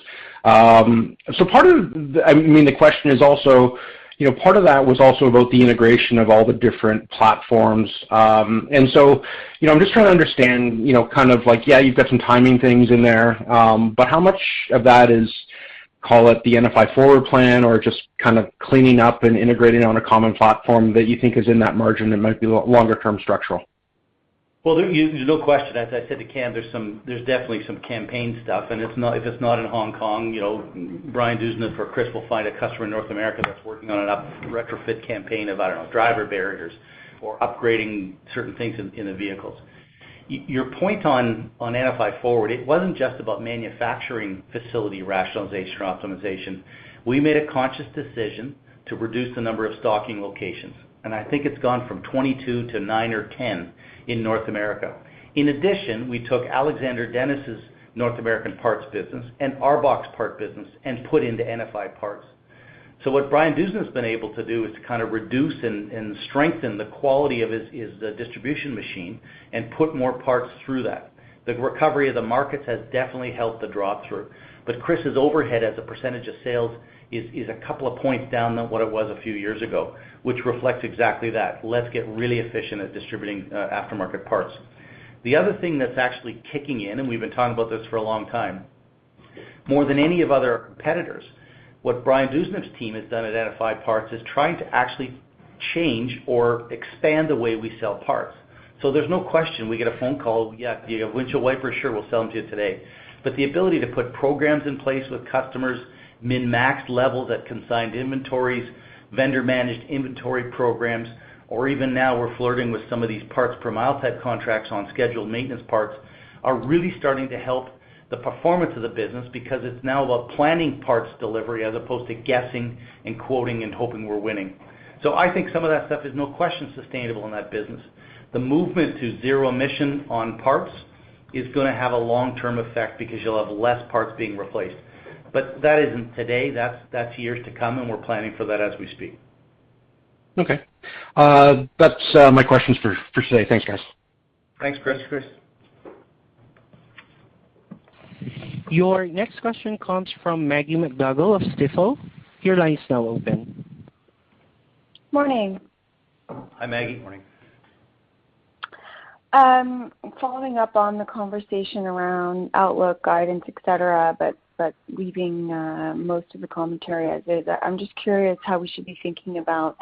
Part of that was also about the integration of all the different platforms. I'm just trying to understand, kind of like, yeah, you've got some timing things in there. How much of that is, call it the NFI Forward plan or just kind of cleaning up and integrating on a common platform that you think is in that margin that might be longer term structural? Well, there's no question. As I said to Cam, there's definitely some campaign stuff, and if it's not in Hong Kong, Brian Dewsnup or Chris will find a customer in North America that's working on a retrofit campaign of, I don't know, driver barriers or upgrading certain things in the vehicles. Your point on NFI Forward, it wasn't just about manufacturing facility rationalization or optimization. We made a conscious decision to reduce the number of stocking locations, and I think it's gone from 22-9 or 10 in North America. In addition, we took Alexander Dennis' North American parts business and ARBOC part business and put into NFI Parts. What Brian Dewsnup's been able to do is to kind of reduce and strengthen the quality of his distribution machine and put more parts through that. The recovery of the markets has definitely helped the drop through, Chris, overhead as a percentage of sales is a couple of points down than what it was a few years ago, which reflects exactly that. Let's get really efficient at distributing aftermarket parts. We've been talking about this for a long time, more than any of other competitors, what Brian Dewsnup's team has done at NFI Parts is trying to actually change or expand the way we sell parts. There's no question we get a phone call, "Yeah, windshield wipers. Sure, we'll sell them to you today. The ability to put programs in place with customers, min-max levels at consigned inventories, vendor managed inventory programs, or even now we're flirting with some of these parts per mile type contracts on scheduled maintenance parts, are really starting to help the performance of the business because it's now about planning parts delivery as opposed to guessing and quoting and hoping we're winning. I think some of that stuff is, no question, sustainable in that business. The movement to zero emission on parts is going to have a long-term effect because you'll have less parts being replaced. That isn't today. That's years to come, and we're planning for that as we speak. Okay. That's my questions for today. Thanks, guys. Thanks, Chris. Your next question comes from Maggie MacDougall of Stifel. Your line is now open. Morning. Hi, Maggie. Morning. Following up on the conversation around outlook guidance, et cetera, but leaving most of the commentary as is, I am just curious how we should be thinking about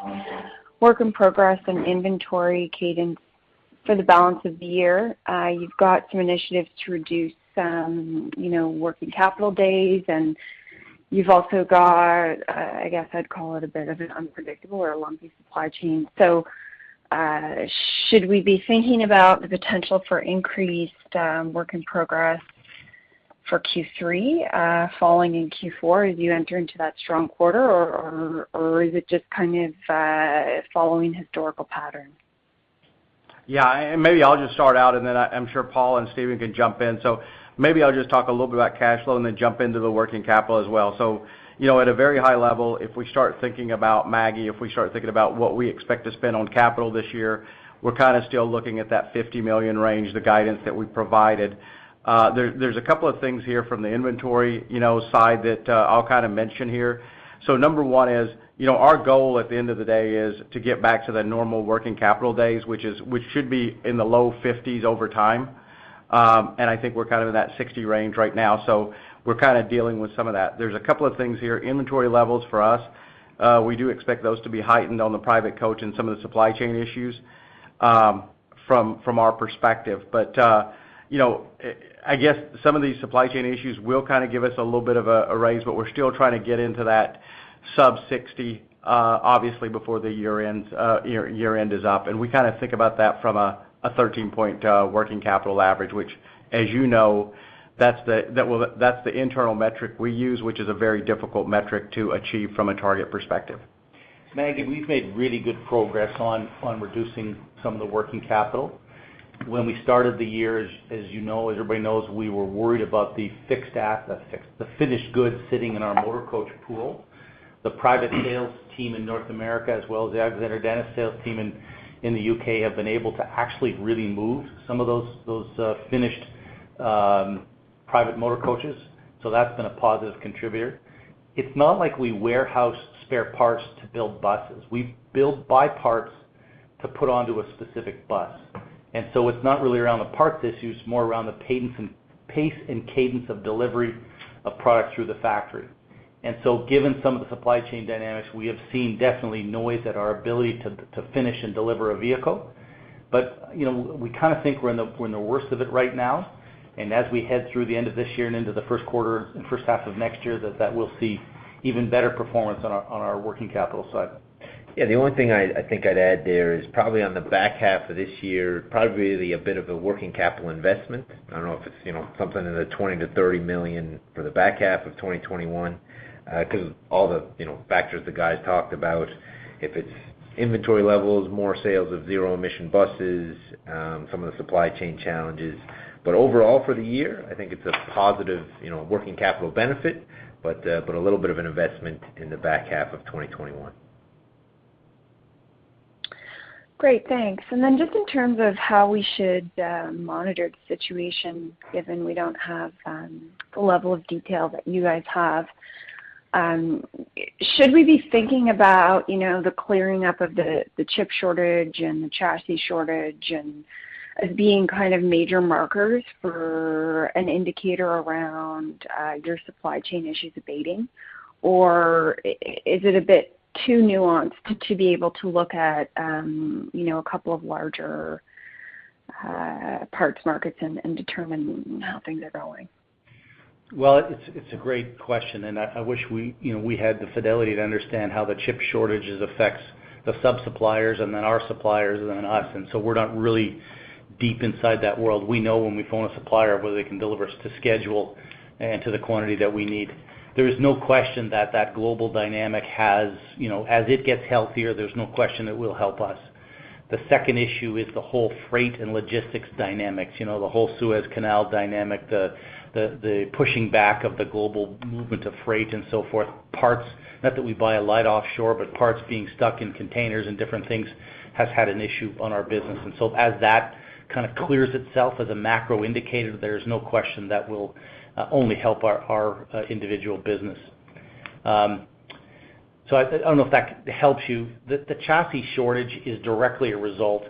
work in progress and inventory cadence for the balance of the year. You have got some initiatives to reduce some working capital days, and you have also got, I guess I would call it a bit of an unpredictable or a lumpy supply chain. So, should we be thinking about the potential for increased work in progress for Q3 falling in Q4 as you enter into that strong quarter, or is it just kind of following historical patterns? Yeah. Maybe I'll just start out, and then I'm sure Paul and Stephen can jump in. Maybe I'll just talk a little bit about cash flow and then jump into the working capital as well. At a very high level, if we start thinking about Maggie, if we start thinking about what we expect to spend on capital this year, we're kind of still looking at that $50 million range, the guidance that we provided. There's two things here from the inventory side that I'll kind of mention here. Number one is, our goal at the end of the day is to get back to the normal working capital days, which should be in the low 50s over time. I think we're kind of in that 60 range right now, so we're kind of dealing with some of that. There is a couple of things here. Inventory levels for us, we do expect those to be heightened on the private coach and some of the supply chain issues from our perspective. I guess some of these supply chain issues will kind of give us a little bit of a raise, but we're still trying to get into that sub 60, obviously, before the year-end is up. We kind of think about that from a 13-point working capital average, which, as you know, that's the internal metric we use, which is a very difficult metric to achieve from a target perspective. Maggie, we've made really good progress on reducing some of the working capital. When we started the year, as everybody knows, we were worried about the finished goods sitting in our motor coach pool. The private sales team in North America, as well as the Alexander Dennis sales team in the U.K., have been able to actually really move some of those finished private motor coaches. That's been a positive contributor. It's not like we warehouse spare parts to build buses. We build by parts to put onto a specific bus. It's not really around the parts issue, it's more around the pace and cadence of delivery of product through the factory. Given some of the supply chain dynamics, we have seen definitely noise at our ability to finish and deliver a vehicle. We kind of think we're in the worst of it right now, and as we head through the end of this year and into the first quarter and H1 of next year, that we'll see even better performance on our working capital side. Yeah, the only thing I think I'd add there is probably on the back half of this year, probably a bit of a working capital investment. I don't know if it's something in the $20 million-$30 million for the back half of 2021, because of all the factors the guys talked about, if it's inventory levels, more sales of zero emission buses, some of the supply chain challenges. Overall for the year, I think it's a positive working capital benefit, but a little bit of an investment in the back half of 2021. Great, thanks. Just in terms of how we should monitor the situation, given we don't have the level of detail that you guys have, should we be thinking about the clearing up of the chip shortage and the chassis shortage as being kind of major markers for an indicator around your supply chain issues abating? Is it a bit too nuanced to be able to look at a couple of larger parts markets and determine how things are going? Well, it's a great question, and I wish we had the fidelity to understand how the chip shortages affect the sub-suppliers and then our suppliers and then us, and so we're not really deep inside that world. We know when we phone a supplier whether they can deliver to schedule and to the quantity that we need. There is no question that that global dynamic has, as it gets healthier, there's no question it will help us. The second issue is the whole freight and logistics dynamics, the whole Suez Canal dynamic, the pushing back of the global movement of freight and so forth. Parts, not that we buy a lot offshore, but parts being stuck in containers and different things has had an issue on our business. As that kind of clears itself as a macro indicator, there's no question that will only help our individual business. I don't know if that helps you. The chassis shortage is directly a result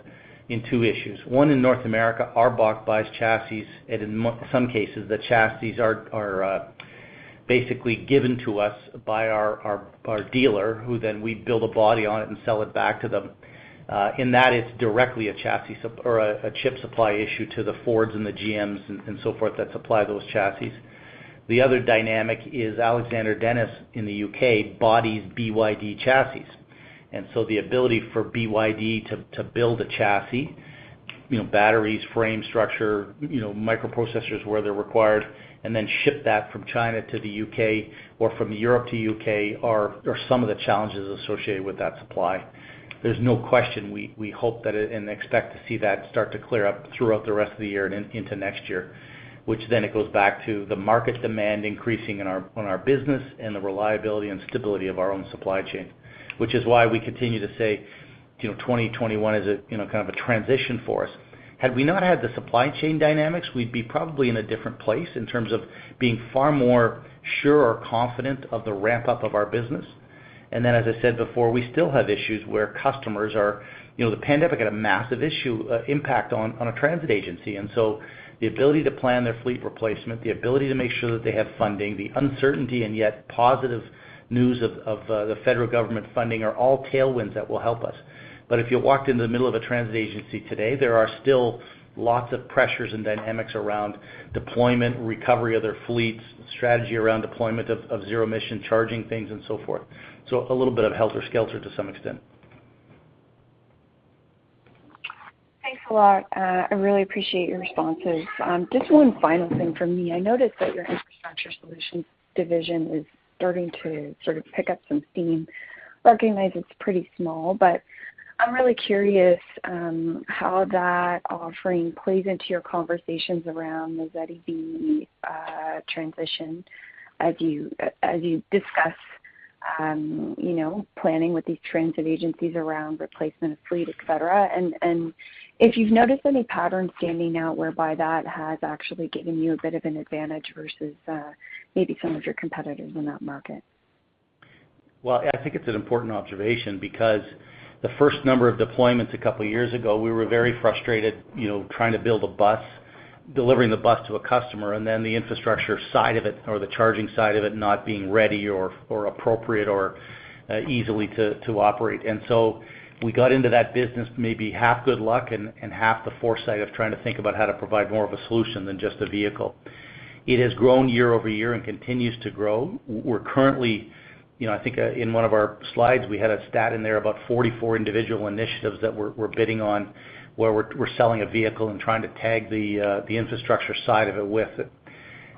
in two issues. One, in North America, ARBOC buys chassis, and in some cases, the chassis are basically given to us by our dealer, who then we build a body on it and sell it back to them. In that, it's directly a chip supply issue to the Ford and the GM and so forth that supply those chassis. The other dynamic is Alexander Dennis in the U.K. bodies BYD chassis. The ability for BYD to build a chassis, batteries, frame structure, microprocessors where they're required, and then ship that from China to the U.K. or from Europe to U.K. are some of the challenges associated with that supply. There's no question we hope that and expect to see that start to clear up throughout the rest of the year and into next year, which then it goes back to the market demand increasing on our business and the reliability and stability of our own supply chain. Which is why we continue to say 2021 is a kind of a transition for us. Had we not had the supply chain dynamics, we'd be probably in a different place in terms of being far more sure or confident of the ramp-up of our business. As I said before, we still have issues where the pandemic had a massive impact on a transit agency. The ability to plan their fleet replacement, the ability to make sure that they have funding, the uncertainty and yet positive news of the federal government funding are all tailwinds that will help us. If you walked into the middle of a transit agency today, there are still lots of pressures and dynamics around deployment, recovery of their fleets, strategy around deployment of zero emission charging things and so forth. A little bit of helter skelter to some extent. Thanks a lot. I really appreciate your responses. Just one final thing from me. I noticed that your infrastructure solutions division is starting to sort of pick up some steam. Recognize it's pretty small, but I'm really curious how that offering plays into your conversations around the ZEV transition as you discuss planning with these transit agencies around replacement of fleet, et cetera. If you've noticed any patterns standing out whereby that has actually given you a bit of an advantage versus maybe some of your competitors in that market. I think it's an important observation because the first number of deployments a couple of years ago, we were very frustrated trying to build a bus, delivering the bus to a customer, and then the infrastructure side of it or the charging side of it not being ready or appropriate or easily to operate. We got into that business, maybe half good luck and half the foresight of trying to think about how to provide more of a solution than just a vehicle. It has grown year-over-year and continues to grow. We're currently, I think in one of our slides, we had a stat in there about 44 individual initiatives that we're bidding on, where we're selling a vehicle and trying to tag the infrastructure side of it with it.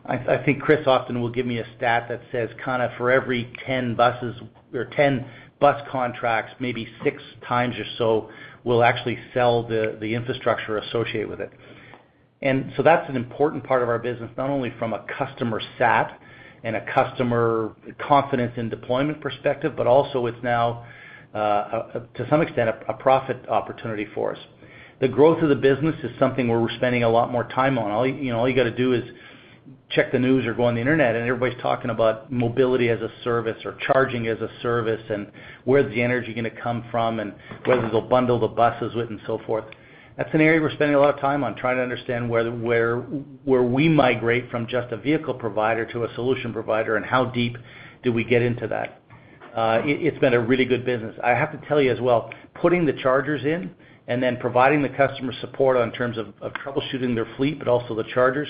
I think Chris often will give me a stat that says for every 10 buses or 10 bus contracts, maybe six times or so, we'll actually sell the infrastructure associated with it. That's an important part of our business, not only from a customer sat and a customer confidence in deployment perspective, but also it's now, to some extent, a profit opportunity for us. The growth of the business is something where we're spending a lot more time on. All you got to do is check the news or go on the Internet, and everybody's talking about mobility as a service or charging as a service and where's the energy going to come from, and whether they'll bundle the buses with and so forth. That's an area we're spending a lot of time on trying to understand where we migrate from just a vehicle provider to a solution provider, and how deep do we get into that. It's been a really good business. I have to tell you as well, putting the chargers in and then providing the customer support on terms of troubleshooting their fleet, but also the chargers,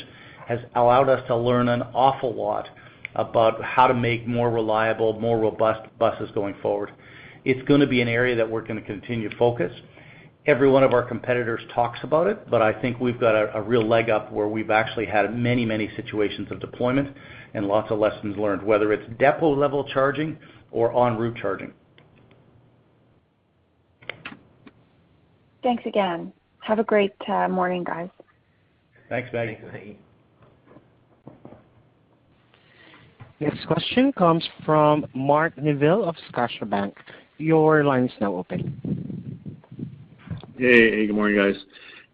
has allowed us to learn an awful lot about how to make more reliable, more robust buses going forward. It's going to be an area that we're going to continue to focus. Every one of our competitors talks about it, but I think we've got a real leg up where we've actually had many situations of deployment and lots of lessons learned, whether it's depot-level charging or en route charging. Thanks again. Have a great morning, guys. Thanks, Maggie. Thanks, Maggie. Next question comes from Mark Neville of Scotiabank. Your line is now open. Hey, good morning, guys.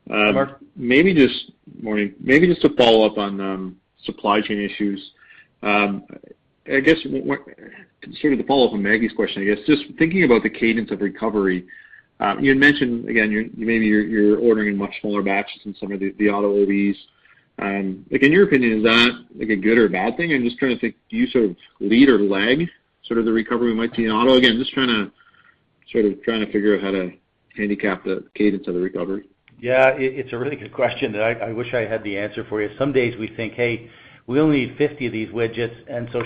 Mark. Morning. Maybe just to follow up on supply chain issues. I guess, considering the follow-up on Maggie MacDougall's question, just thinking about the cadence of recovery, you had mentioned, again, maybe you're ordering in much smaller batches than some of the auto OEs. In your opinion, is that a good or a bad thing? I'm just trying to think, do you sort of lead or lag the recovery we might see in auto? Again, just trying to figure out how to handicap the cadence of the recovery. Yeah, it's a really good question that I wish I had the answer for you. Some days we think, "Hey, we only need 50 of these widgets,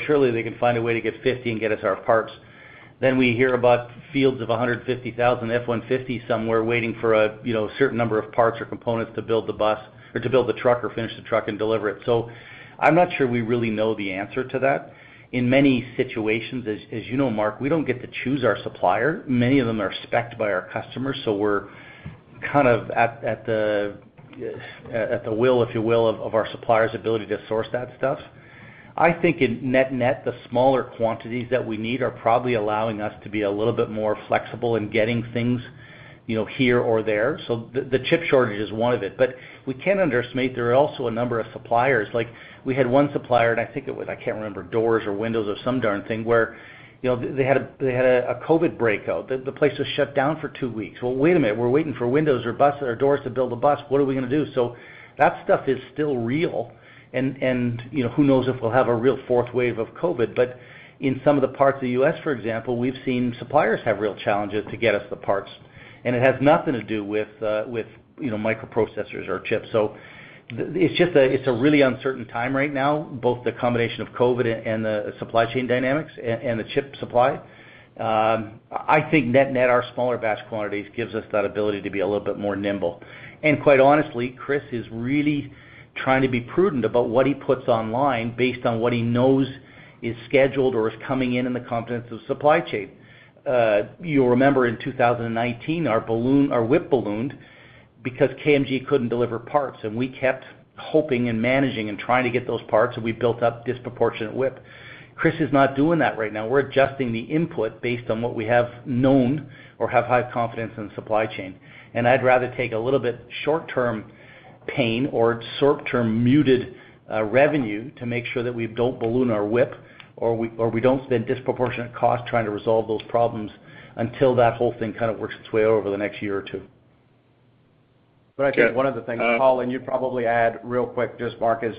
surely they can find a way to get 50 and get us our parts." We hear about fields of 150,000 F-150 somewhere waiting for a certain number of parts or components to build the bus or to build the truck or finish the truck and deliver it. I'm not sure we really know the answer to that. In many situations, as you know, Mark, we don't get to choose our supplier. Many of them are spec'd by our customers, we're kind of at the will, if you will, of our supplier's ability to source that stuff. I think in net the smaller quantities that we need are probably allowing us to be a little bit more flexible in getting things here or there. The chip shortage is one of it. We can't underestimate there are also a number of suppliers. We had one supplier, and I think it was, I can't remember, doors or windows or some darn thing, where they had a COVID breakout. The place was shut down for two weeks. Wait a minute. We're waiting for windows or doors to build a bus. What are we going to do? That stuff is still real, and who knows if we'll have a real fourth wave of COVID. In some of the parts of the U.S., for example, we've seen suppliers have real challenges to get us the parts, and it has nothing to do with microprocessors or chips. It's a really uncertain time right now, both the combination of COVID and the supply chain dynamics and the chip supply. I think net our smaller batch quantities gives us that ability to be a little bit more nimble. Quite honestly, Chris is really trying to be prudent about what he puts online based on what he knows is scheduled or is coming in in the confidence of the supply chain. You'll remember in 2019, our WIP ballooned because KMG couldn't deliver parts, and we kept hoping and managing and trying to get those parts, and we built up disproportionate WIP. Chris is not doing that right now. We're adjusting the input based on what we have known or have high confidence in the supply chain. I'd rather take a little bit short-term pain or short-term muted revenue to make sure that we don't balloon our WIP or we don't spend disproportionate cost trying to resolve those problems until that whole thing kind of works its way over the next year or two. Okay. I think one of the things, Paul, and you'd probably add real quick, just Mark, is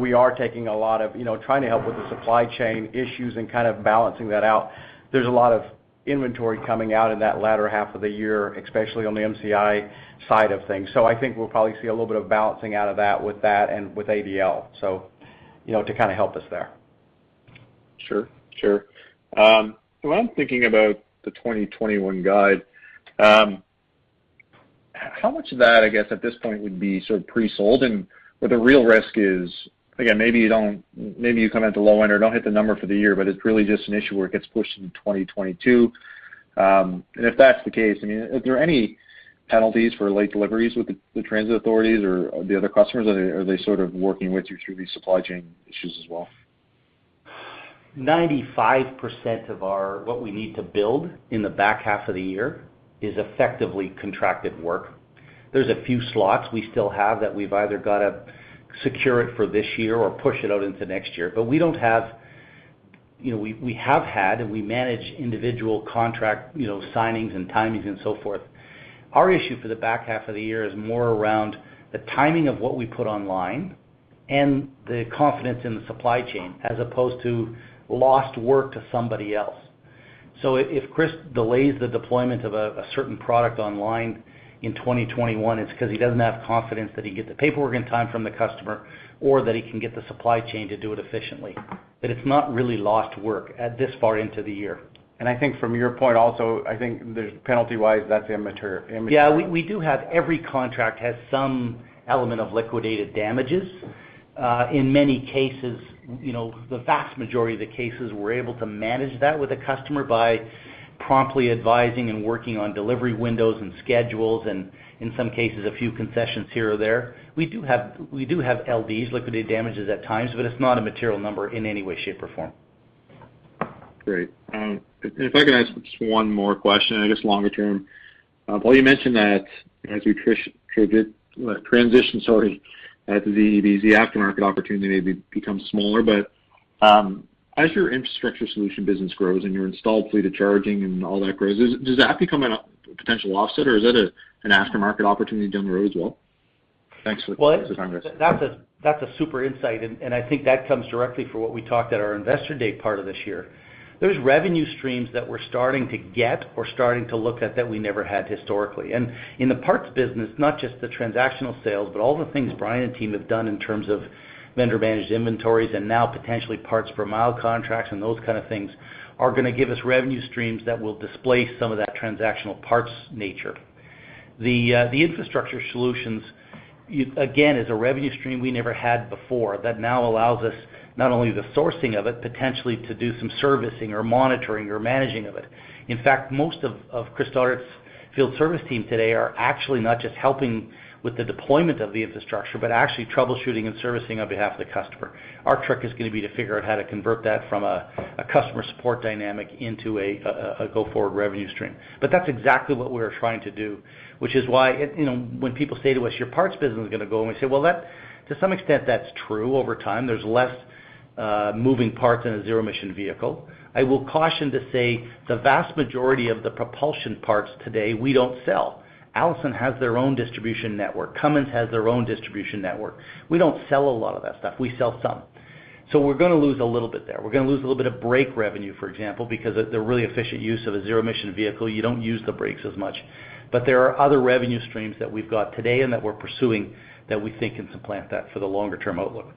we are taking a lot of, trying to help with the supply chain issues and kind of balancing that out. There's a lot of inventory coming out in that latter half of the year, especially on the MCI side of things. I think we'll probably see a little bit of balancing out of that with that and with ADL. To kind of help us there. Sure. When I'm thinking about the 2021 guide, how much of that, I guess, at this point would be pre-sold and where the real risk is, again, maybe you come at the low end or don't hit the number for the year, but it's really just an issue where it gets pushed into 2022. If that's the case, are there any penalties for late deliveries with the transit authorities or the other customers? Are they working with you through these supply chain issues as well? 95% of what we need to build in the back half of the year is effectively contracted work. There's a few slots we still have that we've either got to secure it for this year or push it out into next year. We have had, and we manage individual contract signings and timings and so forth. Our issue for the back half of the year is more around the timing of what we put online and the confidence in the supply chain as opposed to lost work to somebody else. If Chris delays the deployment of a certain product online in 2021, it's because he doesn't have confidence that he'd get the paperwork in time from the customer or that he can get the supply chain to do it efficiently. It's not really lost work this far into the year. I think from your point also, I think penalty wise, that's immaterial. Yeah, every contract has some element of liquidated damages. In many cases, the vast majority of the cases, we're able to manage that with a customer by promptly advising and working on delivery windows and schedules, and in some cases, a few concessions here or there. We do have LDs, liquidated damages, at times, but it's not a material number in any way, shape, or form. Great. If I could ask just one more question, I guess longer term. Paul, you mentioned that as you transition at the ZEVs, the aftermarket opportunity maybe becomes smaller. As your infrastructure solution business grows and your installed fleet of charging and all that grows, does that become a potential offset or is that an aftermarket opportunity down the road as well? Thanks for the time, guys. That's a super insight, and I think that comes directly from what we talked at our investor day part of this year. There's revenue streams that we're starting to get or starting to look at that we never had historically. In the NFI Parts business, not just the transactional sales, but all the things Brian Dewsnup and team have done in terms of vendor managed inventories and now potentially parts per mile contracts and those kind of things are going to give us revenue streams that will displace some of that transactional parts nature. The infrastructure solutions, again, is a revenue stream we never had before that now allows us, not only the sourcing of it, potentially to do some servicing or monitoring or managing of it. In fact, most of Chris Stoddart's field service team today are actually not just helping with the deployment of the infrastructure, but actually troubleshooting and servicing on behalf of the customer. Our trick is going to be to figure out how to convert that from a customer support dynamic into a go-forward revenue stream. That's exactly what we're trying to do, which is why when people say to us, "Your parts business is going to go," and we say, "Well, to some extent, that's true over time." There's less moving parts in a zero emission vehicle. I will caution to say the vast majority of the propulsion parts today, we don't sell. Allison Transmission has their own distribution network. Cummins has their own distribution network. We don't sell a lot of that stuff. We sell some. We're going to lose a little bit there. We're going to lose a little bit of brake revenue, for example, because the really efficient use of a zero-emission vehicle, you don't use the brakes as much. There are other revenue streams that we've got today and that we're pursuing that we think can supplant that for the longer term outlook.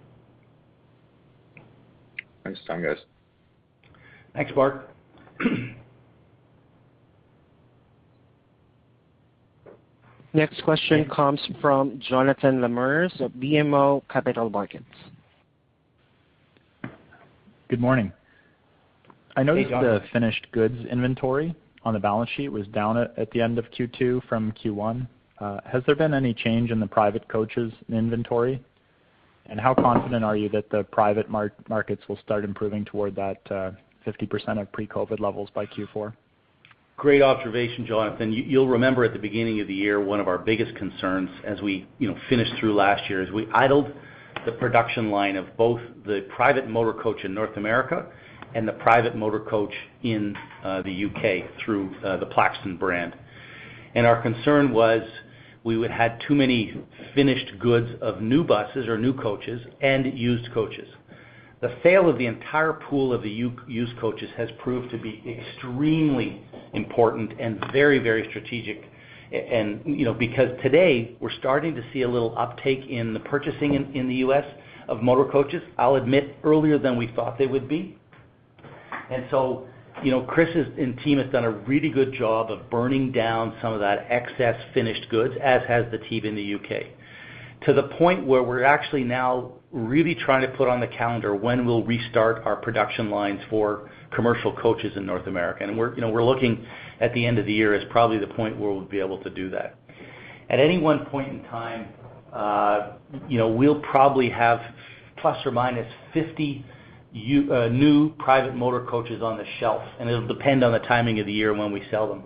Thanks, Paul Soubry, guys. Thanks, Mark. Next question comes from Jonathan Lamers of BMO Capital Markets. Good morning. Hey, Jonathan. I noticed the finished goods inventory on the balance sheet was down at the end of Q2 from Q1. Has there been any change in the private coaches inventory? How confident are you that the private markets will start improving toward that 50% of pre-COVID levels by Q4? Great observation, Jonathan. You'll remember at the beginning of the year, one of our biggest concerns as we finished through last year is we idled the production line of both the private motor coach in North America and the private motor coach in the U.K. through the Plaxton brand. Our concern was we would have too many finished goods of new buses or new coaches and used coaches. The sale of the entire pool of the used coaches has proved to be extremely important and very strategic because today we're starting to see a little uptake in the purchasing in the U.S. of motor coaches, I'll admit earlier than we thought they would be. Chris and team has done a really good job of burning down some of that excess finished goods, as has the team in the U.K., to the point where we're actually now really trying to put on the calendar when we'll restart our production lines for commercial coaches in North America. We're looking at the end of the year as probably the point where we'll be able to do that. At any one point in time, we'll probably have ±50 new private motor coaches on the shelf, and it'll depend on the timing of the year when we sell them.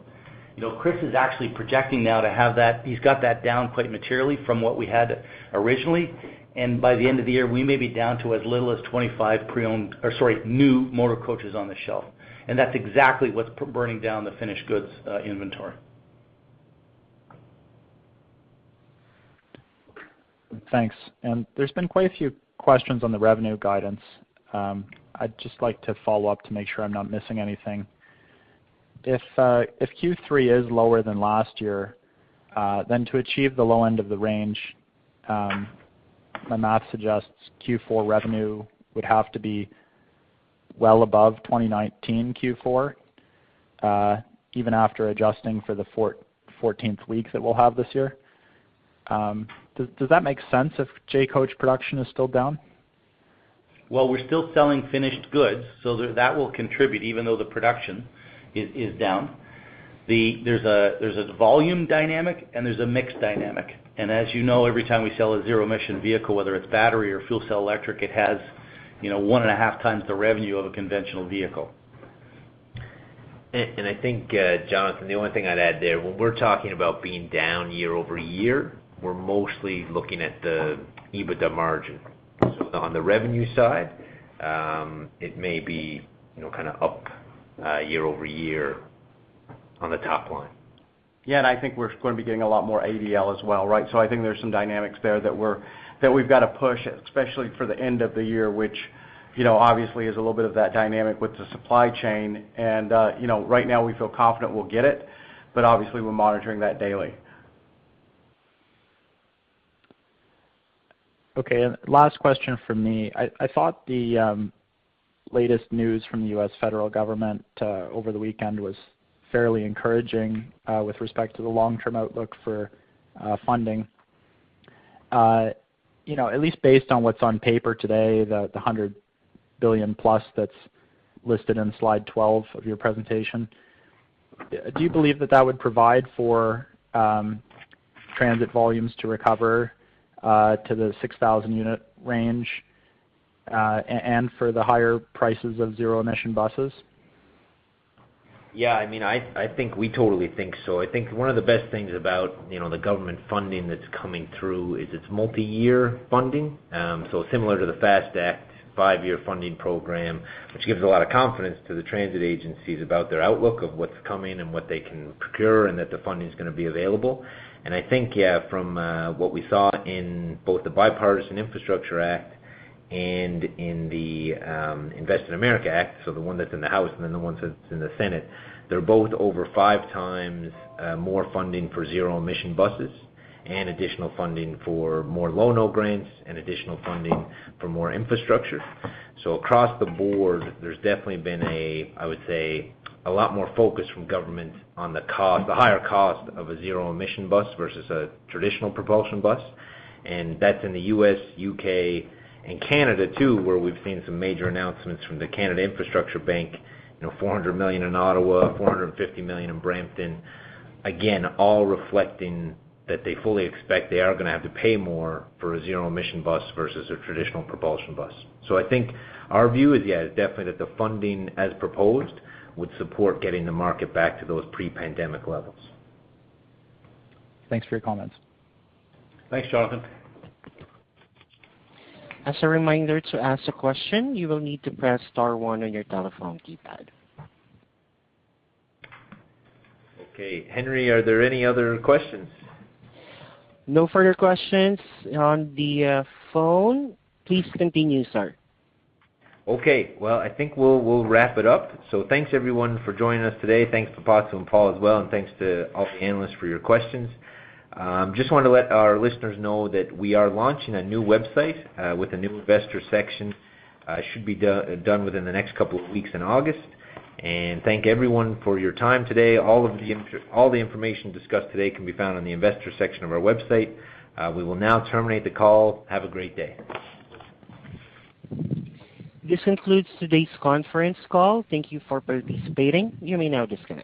Chris is actually projecting now to have that. He's got that down quite materially from what we had originally. By the end of the year, we may be down to as little as 25 new motor coaches on the shelf. That's exactly what's burning down the finished goods inventory. Thanks. There's been quite a few questions on the revenue guidance. I'd just like to follow up to make sure I'm not missing anything. If Q3 is lower than last year, to achieve the low end of the range, my math suggests Q4 revenue would have to be well above 2019 Q4, even after adjusting for the 14th week that we'll have this year. Does that make sense if J-Coach production is still down? Well, we're still selling finished goods, so that will contribute even though the production is down. There's a volume dynamic and there's a mix dynamic. As you know, every time we sell a zero emission vehicle, whether it's battery or fuel cell electric, it has one and a half times the revenue of a conventional vehicle. I think, Jonathan, the only thing I'd add there, when we're talking about being down year-over-year, we're mostly looking at the EBITDA margin. On the revenue side, it may be up year-over-year on the top line. Yeah. I think we're going to be getting a lot more ADL as well. I think there's some dynamics there that we've got to push, especially for the end of the year, which obviously is a little bit of that dynamic with the supply chain and right now we feel confident we'll get it, but obviously we're monitoring that daily. Okay, last question from me. I thought the latest news from the U.S. federal government over the weekend was fairly encouraging with respect to the long-term outlook for funding. At least based on what's on paper today, the $100 billion plus that's listed in slide 12 of your presentation, do you believe that that would provide for transit volumes to recover to the 6,000 unit range, and for the higher prices of zero emission buses? Yeah, I think we totally think so. I think one of the best things about the government funding that's coming through is it's multi-year funding. Similar to the FAST Act five-year funding program, which gives a lot of confidence to the transit agencies about their outlook of what's coming and what they can procure and that the funding's going to be available. I think from what we saw in both the Bipartisan Infrastructure Act and in the INVEST in America Act, the one that's in the House and then the one that's in the Senate, they're both over five times more funding for zero emission buses and additional funding for more loan or grants and additional funding for more infrastructure. Across the board, there's definitely been a lot more focus from government on the higher cost of a zero emission bus versus a traditional propulsion bus. That's in the U.S., U.K., and Canada too, where we've seen some major announcements from the Canada Infrastructure Bank, 400 million in Ottawa, 450 million in Brampton. Again, all reflecting that they fully expect they are going to have to pay more for a zero emission bus versus a traditional propulsion bus. I think our view is, yeah, definitely that the funding as proposed would support getting the market back to those pre-pandemic levels. Thanks for your comments. Thanks, Jonathan. As a reminder, to ask a question, you will need to press star one on your telephone keypad. Okay. Henry, are there any other questions? No further questions on the phone. Please continue, sir. Okay. Well, I think we'll wrap it up. Thanks everyone for joining us today. Thanks to Pipasu and Paul as well, and thanks to all the analysts for your questions. Just wanted to let our listeners know that we are launching a new website with a new investor section, should be done within the next couple of weeks in August. Thank everyone for your time today. All the information discussed today can be found on the investor section of our website. We will now terminate the call. Have a great day. This concludes today's conference call. Thank you for participating. You may now disconnect.